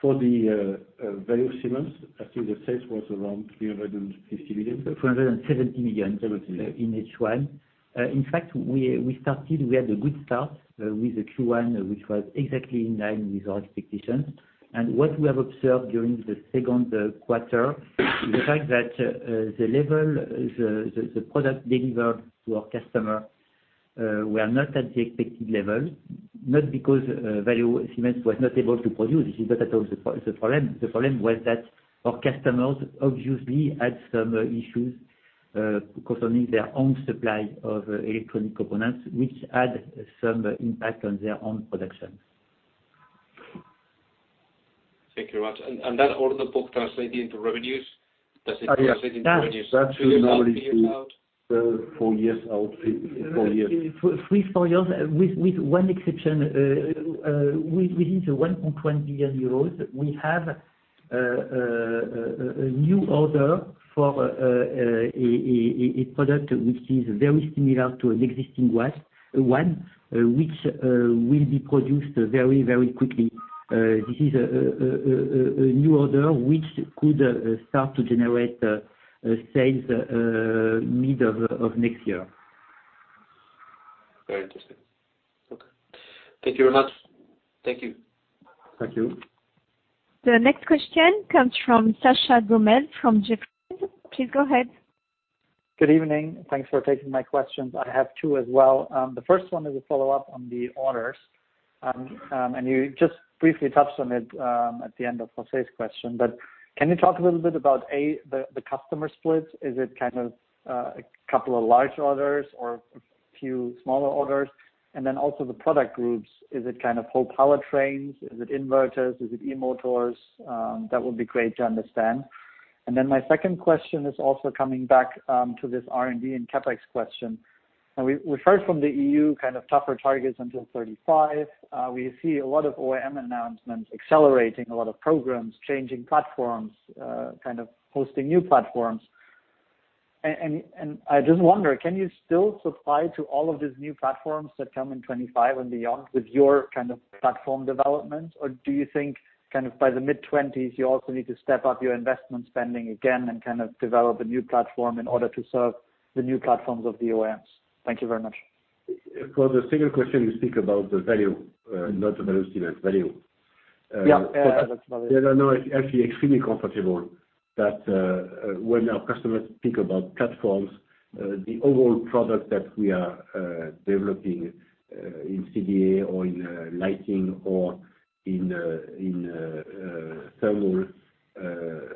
For the Valeo Siemens, I think the sales was around 350 million? 370 million in H1. In fact, we had a good start with the Q1, which was exactly in line with our expectations. What we have observed during the second quarter is the fact that the product delivered to our customer, were not at the expected level, not because Valeo Siemens was not able to produce. This is not at all the problem. The problem was that our customers obviously had some issues concerning their own supply of electronic components, which had some impact on their own production. Thank you very much. That order book translating into revenues? Does it translate into revenues? That should normally be two years out, three years out? Four years out. Four years. Three, four years with one exception. Within the 1.1 billion euros, we have a new order for a product which is very similar to an existing one, which will be produced very quickly. This is a new order which could start to generate sales mid of next year. Very interesting. Okay. Thank you very much. Thank you. Thank you. The next question comes from Sascha Gommel from Jefferies. Please go ahead. Good evening. Thanks for taking my questions. I have two as well. The first one is a follow-up on the orders. You just briefly touched on it at the end of Jose's question, but can you talk a little bit about, A, the customer split? Is it kind of a couple of large orders or a few smaller orders? Then also the product groups. Is it whole powertrains? Is it inverters? Is it e-motors? That would be great to understand. Then my second question is also coming back to this R&D and CapEx question. We've heard from the EU kind of tougher targets until 2035. We see a lot of OEM announcements accelerating a lot of programs, changing platforms, kind of posting new platforms. I just wonder, can you still supply to all of these new platforms that come in 2025 and beyond with your kind of platform development? Do you think by the mid 2020s, you also need to step up your investment spending again and kind of develop a new platform in order to serve the new platforms of the OEMs? Thank you very much. For the second question, you speak about the value, not the velocity, but value. Yeah. No, I feel extremely comfortable that when our customers think about platforms, the overall product that we are developing in CDA or in lighting or in thermal,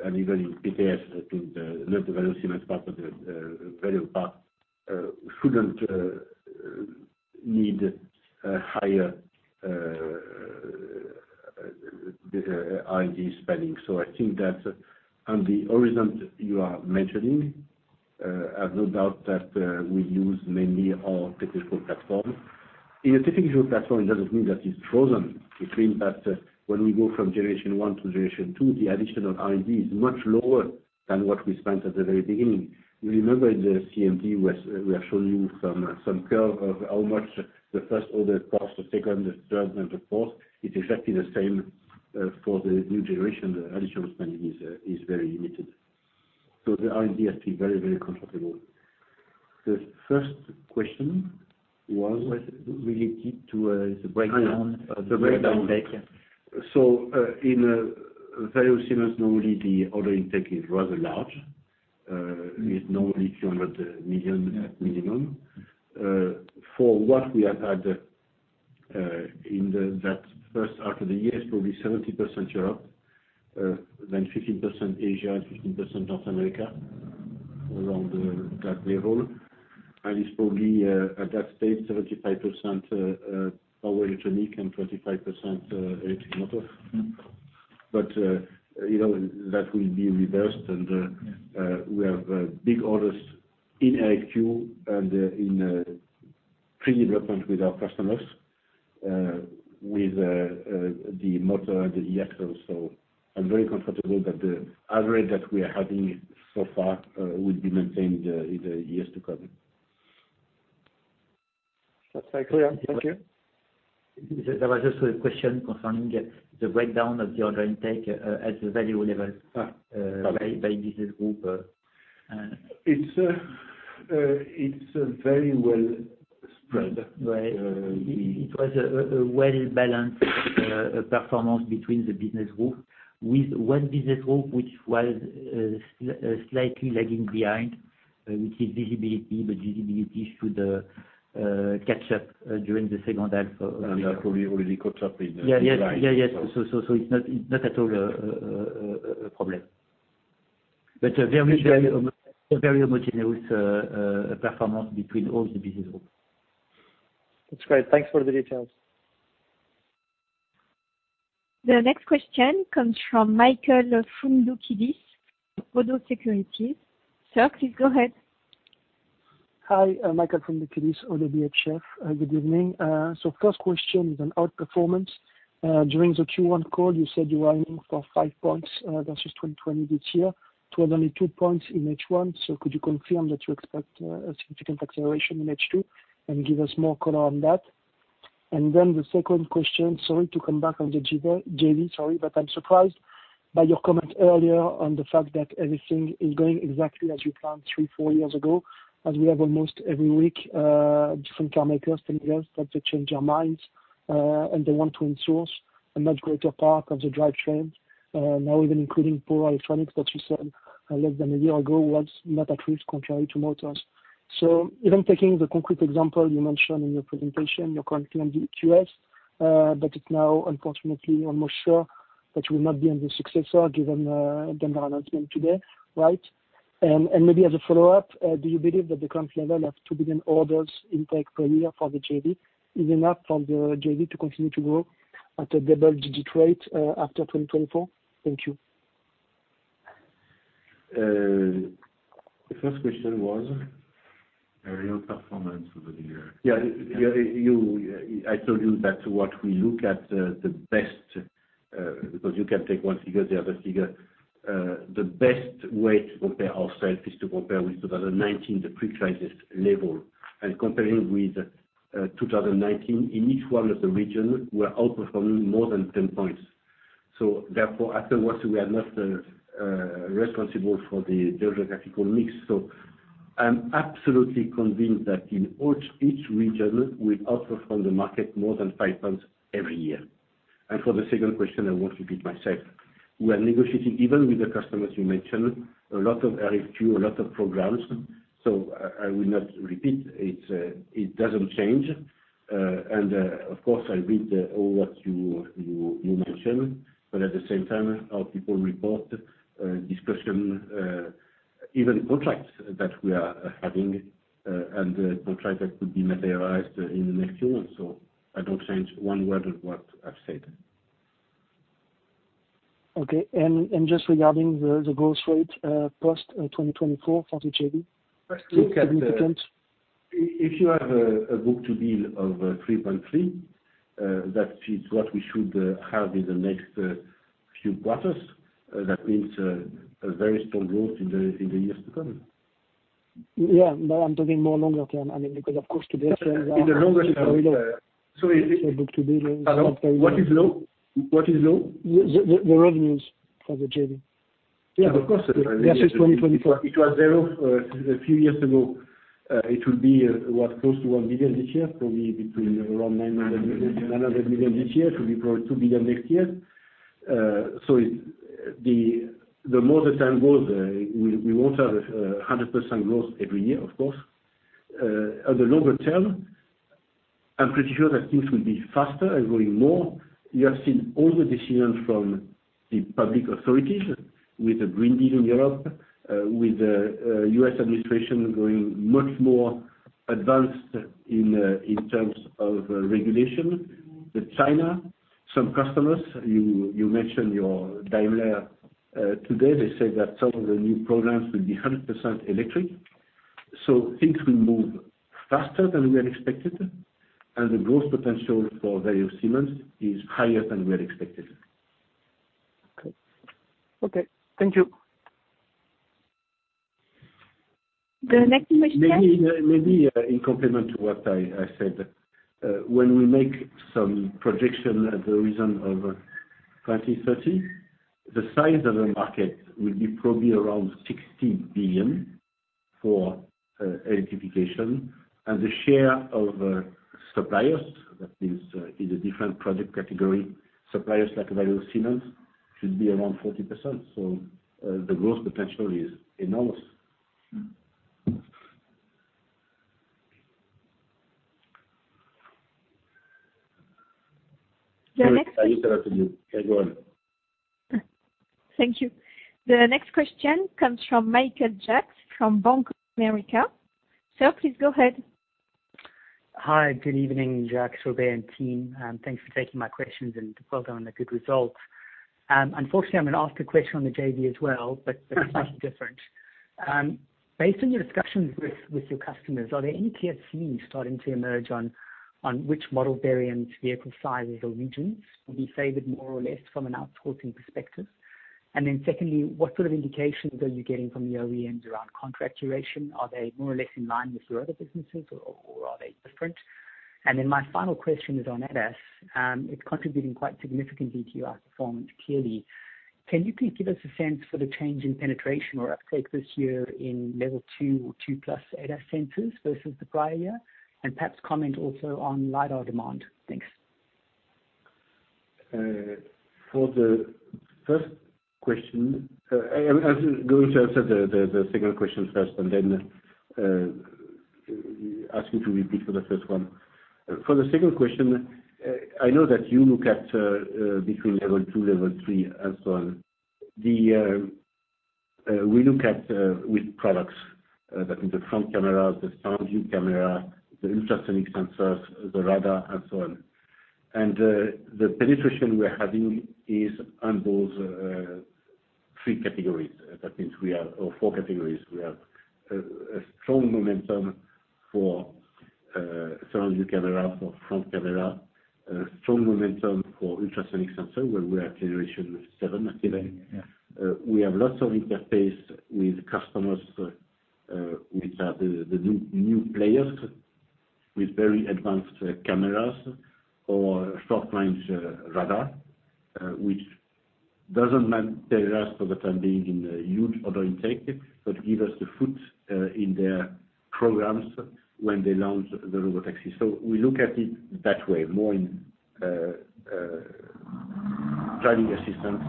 and even in PTS, I think the not the velocity, but part of the value part, shouldn't need a higher R&D spending. I think that on the horizon you are mentioning, I've no doubt that we use mainly our technical platform. In a technical platform, it doesn't mean that it's frozen. It means that when we go from generation one to generation two, the additional R&D is much lower than what we spent at the very beginning. You remember the CMD, we have shown you some curve of how much the first order costs, the second, the third, and the fourth. It's exactly the same for the new generation. The additional spending is very limited. The R&D is still very comfortable. The first question. Related to the breakdown of the order intake. The breakdown. In a very similar, normally the order intake is rather large, is normally 200 million minimum. For what we have had in that first half of the year is probably 70% Europe, then 15% Asia, 15% North America, around that level. It's probably at that state, 75% power electronic and 25% electric motor. That will be reversed, and we have big orders in RFQ and in pre-development with our customers, with the motor and the eAxle. I'm very comfortable that the average that we are having so far will be maintained in the years to come. That's very clear. Thank you. There was also a question concerning the breakdown of the order intake at the Valeo level by business group. It's very well spread. It was a well-balanced performance between the business group with one business group, which was slightly lagging behind, which is visibility, but visibility should catch up during the second half of the year. Probably already caught up in pipeline. Yes. It's not at all a problem. A very homogeneous performance between all the business groups. That's great. Thanks for the details. The next question comes from Michael Foundoukidis, Oddo BHF. Sir, please go ahead. Hi, Michael Foundoukidis, Oddo BHF. Good evening. First question is on outperformance. During the Q1 call, you said you were aiming for 5 points versus 2020 this year. It was only 2 points in H1, could you confirm that you expect a significant acceleration in H2 and give us more color on that? The second question, sorry to come back on the JV. I'm surprised by your comment earlier on the fact that everything is going exactly as you planned three, four years ago, as we have almost every week, different car makers telling us that they change their minds, and they want to in-source a much greater part of the drivetrain. Now even including power electronics that you said less than a year ago was not at risk contrary to motors. Even taking the concrete example you mentioned in your presentation, your current EQS, that it's now unfortunately almost sure that you will not be on the successor given the announcement today, right? Maybe as a follow-up, do you believe that the current level of 2 billion orders intake per year for the JV is enough for the JV to continue to grow at a double-digit rate after 2024? Thank you. The first question was? Real performance over the year. Yeah. I told you that what we look at the best, because you can take one figure, the other figure. The best way to compare ourselves is to compare with 2019, the pre-crisis level. Comparing with 2019, in each one of the regions, we're outperforming more than 10 points. Therefore, afterwards, we are not responsible for the geographical mix. I'm absolutely convinced that in each region, we outperform the market more than 5 points every year. For the second question, I won't repeat myself. We are negotiating, even with the customers you mentioned, a lot of RFQ, a lot of programs. I will not repeat. It doesn't change. Of course, I read all what you mentioned, at the same time, our people report discussion, even contracts that we are having and contracts that could be materialized in the next few months. I don't change one word of what I've said. Okay. Just regarding the growth rate post 2024 for the JV- Let's look at the. significance. If you have a book to bill of 3.3, that is what we should have in the next few quarters. That means a very strong growth in the years to come. Yeah, but I'm talking more longer term. In the longer term- book to bill is very low. Pardon? What is low? The revenues for the JV. Yeah, of course. Versus 2024. It was zero a few years ago. It will be what, close to 1 billion this year, probably between around 900 million this year. It will be probably 2 billion next year. The more the time goes, we won't have 100% growth every year, of course. At the longer term, I'm pretty sure that things will be faster and growing more. You have seen all the decisions from the public authorities with the Green Deal in Europe, with the U.S. administration going much more advanced in terms of regulation. The China, some customers, you mentioned your Daimler today. They said that some of the new programs will be 100% electric. Things will move faster than we had expected, and the growth potential for Valeo Siemens is higher than we had expected. Okay. Thank you. The next question- Maybe in complement to what I said. When we make some projection at the horizon of 2030, the size of the market will be probably around 60 billion for electrification. The share of suppliers, that is a different project category, suppliers like Valeo Siemens, should be around 40%. The growth potential is enormous. The next. I interrupted you. Go on. Thank you. The next question comes from Michael Jacks from Bank of America. Sir, please go ahead. Hi, good evening, Jacques, Robert and team. Thanks for taking my questions and well done on the good results. Unfortunately, I'm going to ask a question on the JV as well, slightly different. Based on your discussions with your customers, are there any KPIs starting to emerge on which model variants, vehicle sizes, or regions will be favored more or less from an outsourcing perspective? Secondly, what sort of indications are you getting from the OEMs around contract duration? Are they more or less in line with your other businesses or are they different? My final question is on ADAS. It's contributing quite significantly to your performance, clearly. Can you please give us a sense for the change in penetration or uptake this year in level two or two plus ADAS sensors versus the prior year? Perhaps comment also on LIDAR demand. Thanks. I'm going to answer the second question first then ask you to repeat for the first one. For the second question, I know that you look at between level two, level three, and so on. We look at with products. That means the front camera, the surround view camera, the ultrasonic sensors, the radar, and so on. The penetration we're having is on those three categories. That means four categories. We have a strong momentum for surround view camera, for front camera. Strong momentum for ultrasonic sensor, where we have generation seven active. We have lots of interface with customers, which are the new players with very advanced cameras or short range radar, which doesn't materialize for the time being in a huge order intake, but give us the foot in their programs when they launch the robotaxis. We look at it that way, more in driving assistance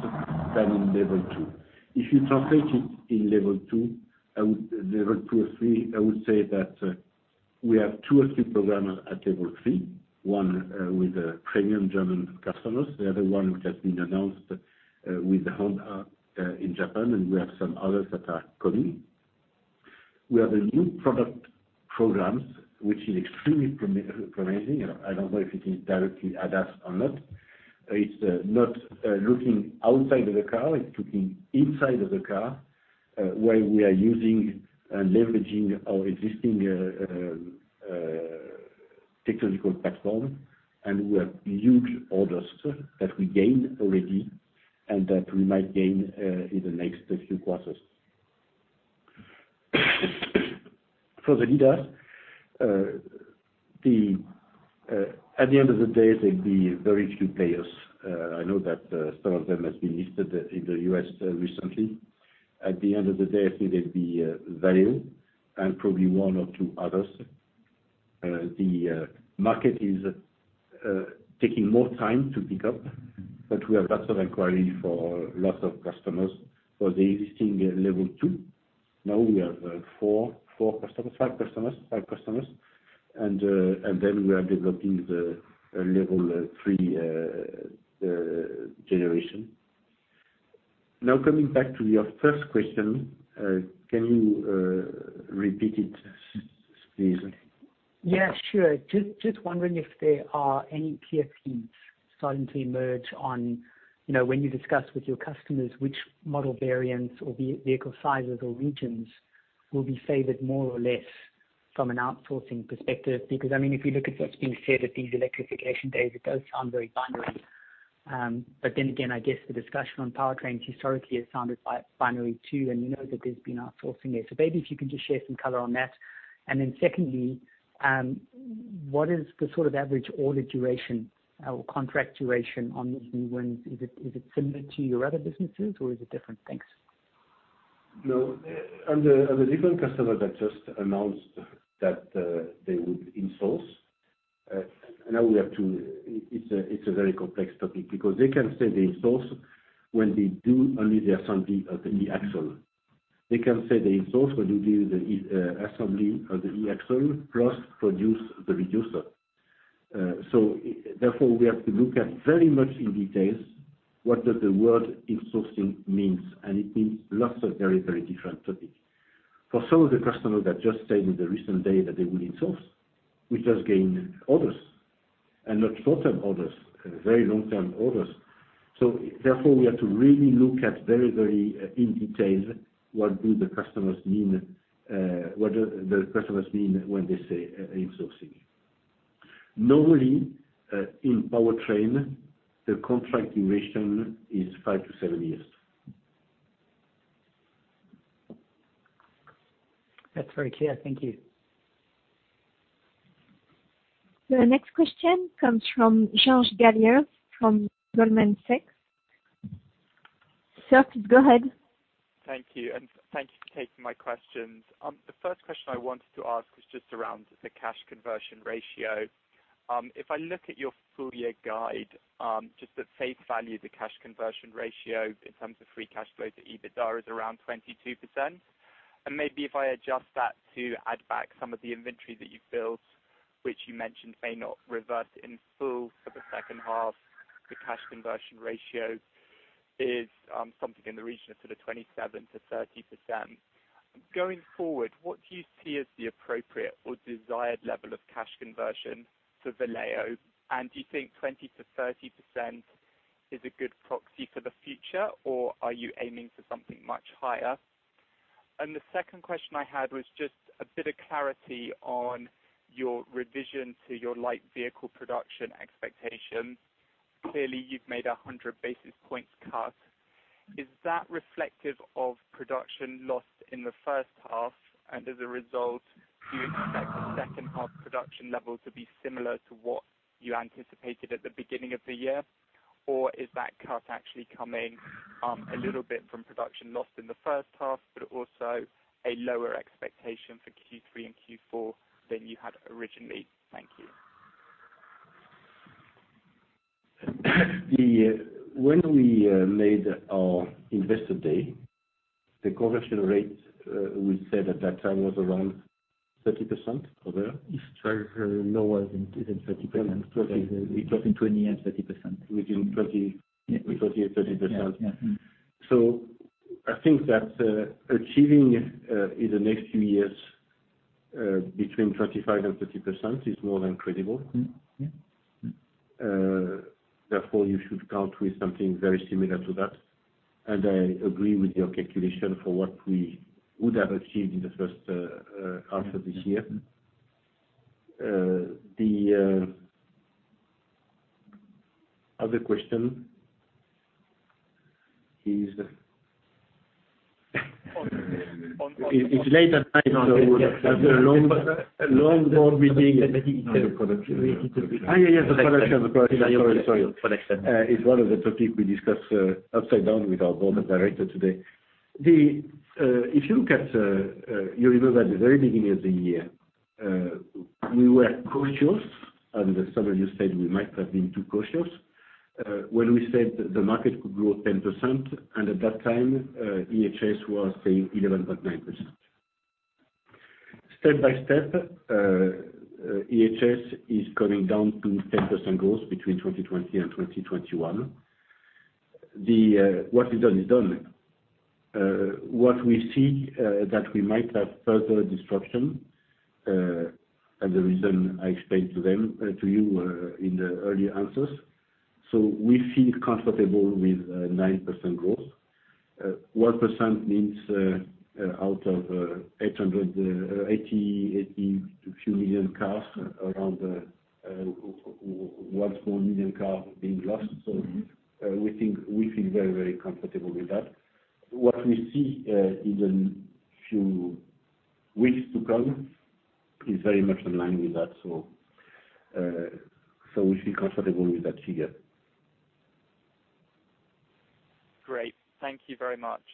than in level two. If you translate it in level two or three, I would say that we have two or three programs at table three, one with a premium German customers. The other one, which has been announced with Honda in Japan, and we have some others that are coming. We have the new product programs, which is extremely promising. I don't know if it is directly ADAS or not. It's not looking outside of the car, it's looking inside of the car, where we are using and leveraging our existing technological platform, and we have huge orders that we gain already and that we might gain in the next few quarters. For the leaders, at the end of the day, there'll be very few players. I know that some of them have been listed in the U.S. recently. At the end of the day, I think there'll be Valeo and probably one or two others. The market is taking more time to pick up, but we have lots of inquiry for lots of customers for the existing level two. Now we have four customers, five customers, and then we are developing the level three generation. Now, coming back to your first question, can you repeat it, please? Yeah, sure. Just wondering if there are any clear themes starting to emerge on, when you discuss with your customers which model variants or vehicle sizes or regions will be favored more or less from an outsourcing perspective. If you look at what's being said at these electrification days, it does sound very binary. Again, I guess the discussion on powertrains historically has sounded binary too, and you know that there's been outsourcing there. Maybe if you can just share some color on that. Secondly, what is the sort of average order duration or contract duration on these new wins? Is it similar to your other businesses or is it different? Thanks. No. In a different costumers that just announced that they would in-source a very complex topic because they can say they in-source when they do only the assembly of the eAxle. They can say they in-source when they do the assembly of the eAxle plus produce the reducer. Therefore, we have to look at very much in detail what does the word in-sourcing mean, and it means lots of very different topics. For some of the customers that just said in the recent day that they will in-source, we just gained orders, and not short-term orders, very long-term orders. Therefore, we have to really look at very in detail what do the customers mean when they say in-sourcing. Normally, in powertrain, the contract duration is five to seven years. That's very clear. Thank you. The next question comes from George Galliers from Goldman Sachs. Sir, go ahead. Thank you. Thank you for taking my questions. The first question I wanted to ask was just around the cash conversion ratio. If I look at your full year guide, just at face value, the cash conversion ratio in terms of free cash flow to EBITDA is around 22%. Maybe if I adjust that to add back some of the inventory that you've built, which you mentioned may not reverse in full for the second half, the cash conversion ratio is something in the region of sort of 27%-30%. Going forward, what do you see as the appropriate or desired level of cash conversion for Valeo? Do you think 20%-30% is a good proxy for the future, or are you aiming for something much higher? The second question I had was just a bit of clarity on your revision to your light vehicle production expectation. Clearly, you've made 100 basis points cut. Is that reflective of production lost in the first half and as a result, do you expect the second half production level to be similar to what you anticipated at the beginning of the year? Is that cut actually coming a little bit from production lost in the first half, but also a lower expectation for Q3 and Q4 than you had originally? Thank you. When we made our investor day, the conversion rate we said at that time was around 30%, Over? It's lower than 30%. Between 20% and 30%. Between 20% and 30%. Yeah. I think that achieving in the next few years between 25% and 30% is more than credible. Mm-hmm. Yeah. You should count with something very similar to that. I agree with your calculation for what we would have achieved in the first half of this year. The other question is it's late at night. *crosstalk* It's one of the topic we discussed upside down with our board of director today. If you look at, you remember at the very beginning of the year, we were cautious. As some of you said, we might have been too cautious. When we said the market could grow 10%, and at that time, IHS was saying 11.9%. Step by step, IHS is coming down to 10% growth between 2020 and 2021. What is done is done. What we see, that we might have further disruption, and the reason I explained to you in the earlier answers. We feel comfortable with 9% growth. 1% means out of 80 to few million cars, around 1 more million cars being lost. We feel very comfortable with that. What we see in the few weeks to come is very much in line with that. We feel comfortable with that figure. Great. Thank you very much.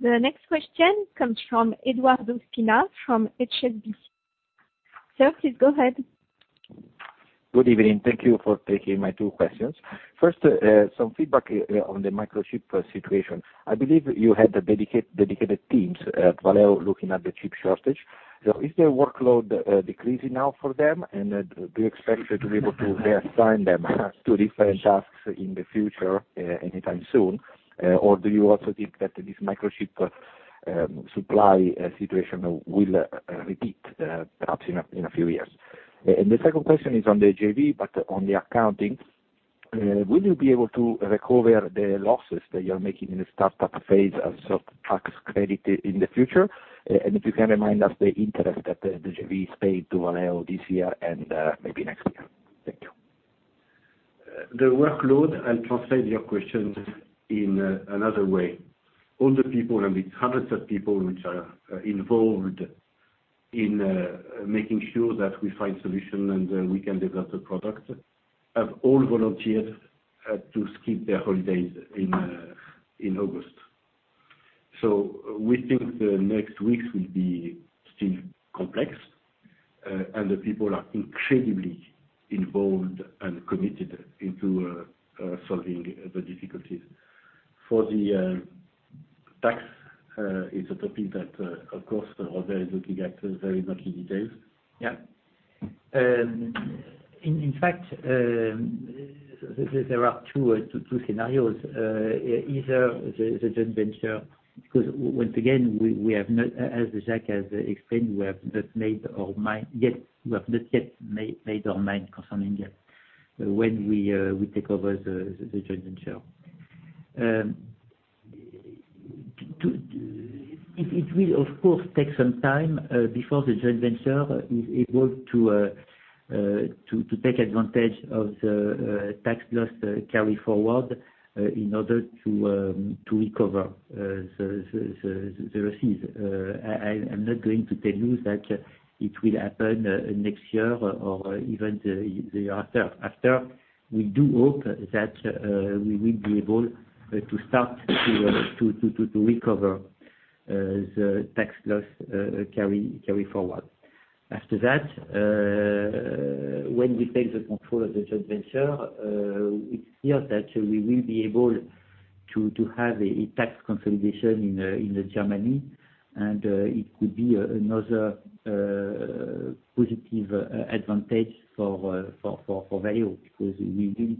The next question comes from Edoardo Spina from HSBC. Sir, please go ahead. Good evening. Thank you for taking my two questions. First, some feedback on the microchip situation. I believe you had dedicated teams at Valeo looking at the chip shortage. Is their workload decreasing now for them? Do you expect to be able to reassign them to different tasks in the future anytime soon? Do you also think that this microchip supply situation will repeat perhaps in a few years? The 2nd question is on the JV, but on the accounting. Will you be able to recover the losses that you're making in the startup phase as sort of tax credit in the future? If you can remind us the interest that the JV is paying to Valeo this year and maybe next year. Thank you. The workload, I'll translate your question in another way. All the people, and it's hundreds of people which are involved in making sure that we find solution and we can develop the product, have all volunteered to skip their holidays in August. We think the next weeks will be still complex, and the people are incredibly involved and committed into solving the difficulties. For the tax, it's a topic that, of course, [the whole day] is looking at very much in detail. Yeah. In fact, there are two scenarios. Either the joint venture, because once again, as Jacques has explained, we have not yet made our mind concerning that, when we take over the joint venture. It will, of course, take some time before the joint venture is able to take advantage of the tax loss carry forward in order to recover the receipts. I am not going to tell you that it will happen next year or even the year after. We do hope that we will be able to start to recover the tax loss carry forward. After that, when we take the control of the joint venture, it is clear that we will be able to have a tax consolidation in Germany, and it could be another positive advantage for Valeo, because we will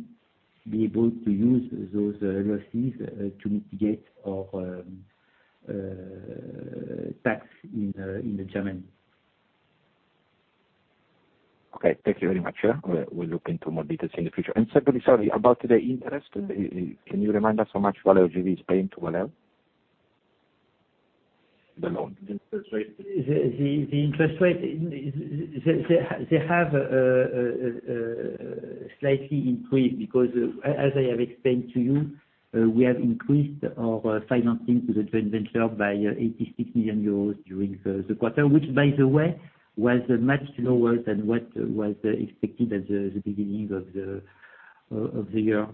be able to use those losses to mitigate our tax in Germany. Okay. Thank you very much. We'll look into more details in the future. Secondly, sorry, about the interest, can you remind us how much Valeo JV is paying to Valeo? The loan. The interest rate, they have slightly increased because, as I have explained to you, we have increased our financing to the joint venture by 86 million euros during the quarter, which by the way, was much lower than what was expected at the beginning of the year.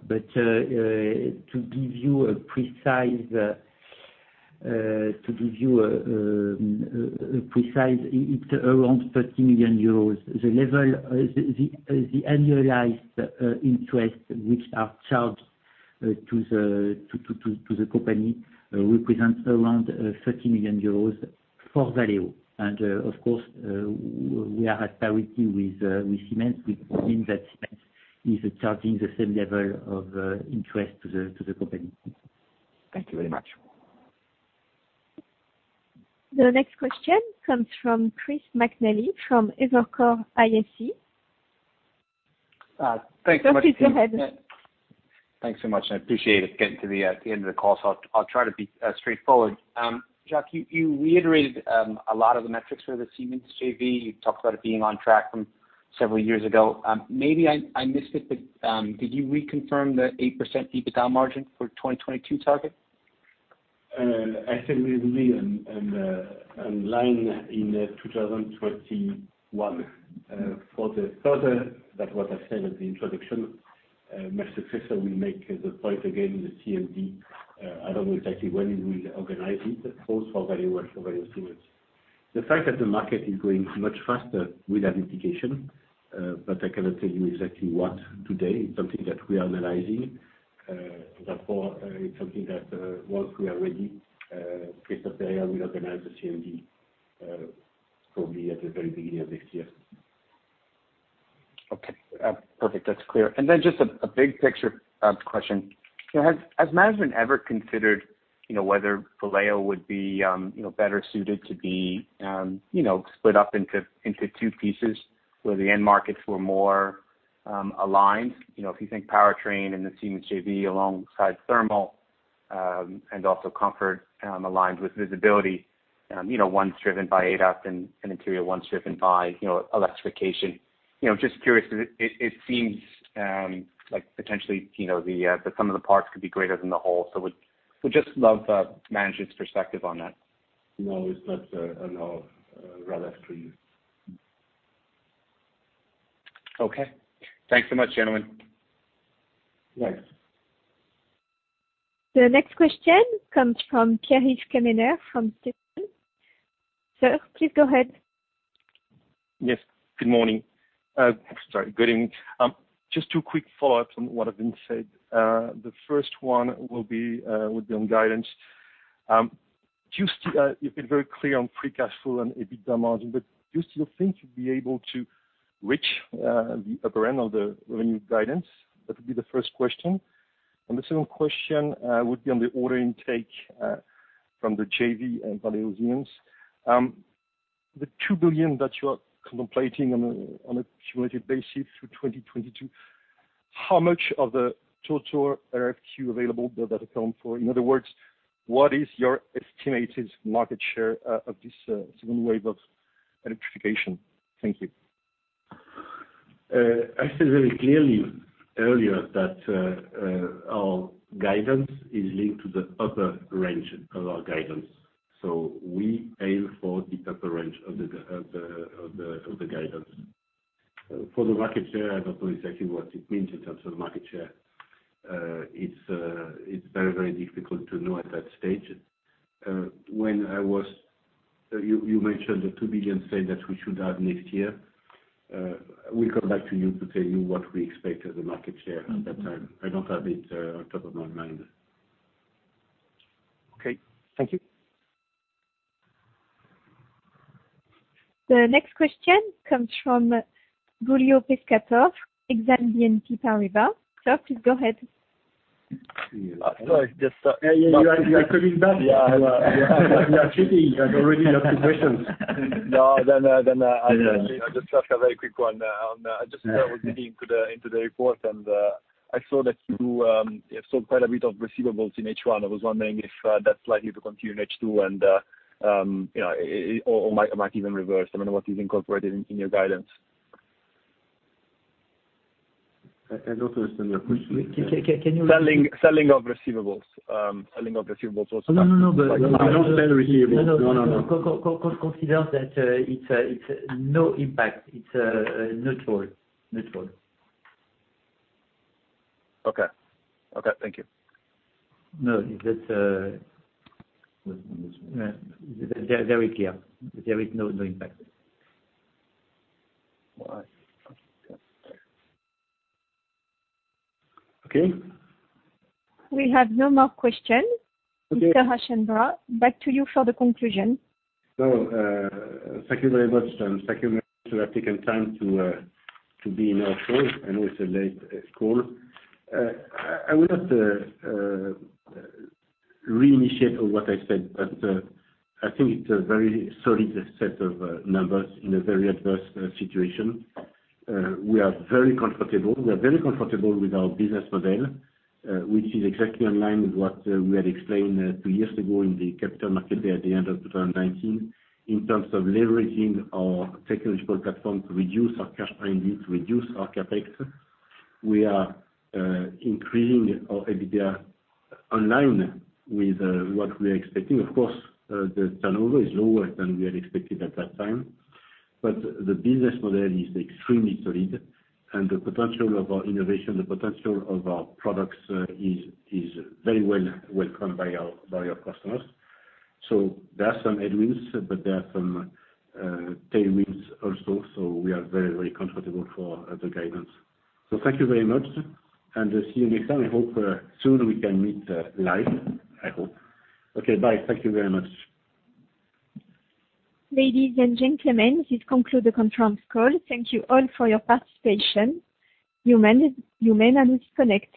To give you a precise, it's around 30 million euros. The annualized interest, which are charged to the company represents around 30 million euros for Valeo. Of course, we are at parity with Siemens, which means that Siemens is charging the same level of interest to the company. Thank you very much. The next question comes from Chris McNally from Evercore ISI. Thanks so much. Please go ahead. Thanks so much. I appreciate it. Getting to the end of the call, I'll try to be straightforward. Jacques, you reiterated a lot of the metrics for the Siemens JV. You talked about it being on track from several years ago. Maybe I missed it, did you reconfirm the 8% EBITDA margin for 2022 target? I think we will be in line in 2021. For the further, that what I said at the introduction, my successor will make the point again in the CMD. I don't know exactly when we will organize it, both for Valeo and for Valeo Siemens. The fact that the market is growing much faster with that indication, but I cannot tell you exactly what today. It's something that we are analyzing. Therefore, it's something that once we are ready, Christophe Périllat will organize a CMD, probably at the very beginning of next year. Okay, perfect. That's clear. Just a big picture question. Has management ever considered whether Valeo would be better suited to be split up into two pieces, where the end markets were more aligned? If you think powertrain and the Siemens JV alongside thermal, and also comfort aligned with visibility. One's driven by ADAS and interior, one's driven by electrification. Just curious, it seems like potentially the sum of the parts could be greater than the whole. Would just love management's perspective on that. No, it's not relevant for you. Okay. Thanks so much, gentlemen. Yes. The next question comes from Pierre-Yves Quéméner from Stifel. Sir, please go ahead. Good morning. Sorry, good evening. Just two quick follow-ups on what have been said. The first one would be on guidance. You've been very clear on free cash flow and EBITDA margin, but do you still think you'd be able to reach the upper end of the revenue guidance? That would be the first question. The second question would be on the order intake from the JV and Valeo Siemens. The 2 billion that you are contemplating on an accumulated basis through 2022, how much of the total RFQ available does that account for? In other words, what is your estimated market share of this second wave of electrification? Thank you. I said very clearly earlier that our guidance is linked to the upper range of our guidance. We aim for the upper range of the guidance. For the market share, I don't know exactly what it means in terms of market share. It's very difficult to know at that stage. You mentioned the 2 billion sales that we should have next year. We'll come back to you to tell you what we expect as a market share at that time. I don't have it on top of my mind. Okay. Thank you. The next question comes from Giulio Pescatore, Exane BNP Paribas. Sir, please go ahead. Sorry. You are coming back. You are cheating. You have already asked your questions. No. I just have a very quick one. I just was looking into the report, and I saw that you have sold quite a bit of receivables in H1. I was wondering if that's likely to continue in H2, or might even reverse. I don't know what is incorporated in your guidance. I don't understand your question. Selling of receivables. No. We don't sell receivables. No. Consider that it's no impact. It's neutral. Okay. Thank you. No, it's very clear. There is no impact. Okay. We have no more questions. Okay. Mr. Aschenbroich, back to you for the conclusion. Thank you very much, and thank you for taking time to be in our call. I know it's a late call. I would like to reinitiate on what I said, but I think it's a very solid set of numbers in a very adverse situation. We are very comfortable with our business model, which is exactly in line with what we had explained two years ago in the Capital Markets Day at the end of 2019, in terms of leveraging our technological platform to reduce our cash burn needs, reduce our CapEx. We are increasing our EBITDA online with what we are expecting. Of course, the turnover is lower than we had expected at that time. The business model is extremely solid, and the potential of our innovation, the potential of our products is very well welcomed by our customers. There are some headwinds. There are some tailwinds also. We are very comfortable for the guidance. Thank you very much. See you next time. I hope soon we can meet live. I hope. Okay, bye. Thank you very much. Ladies and gentlemen, this concludes the conference call. Thank you all for your participation. You may now disconnect.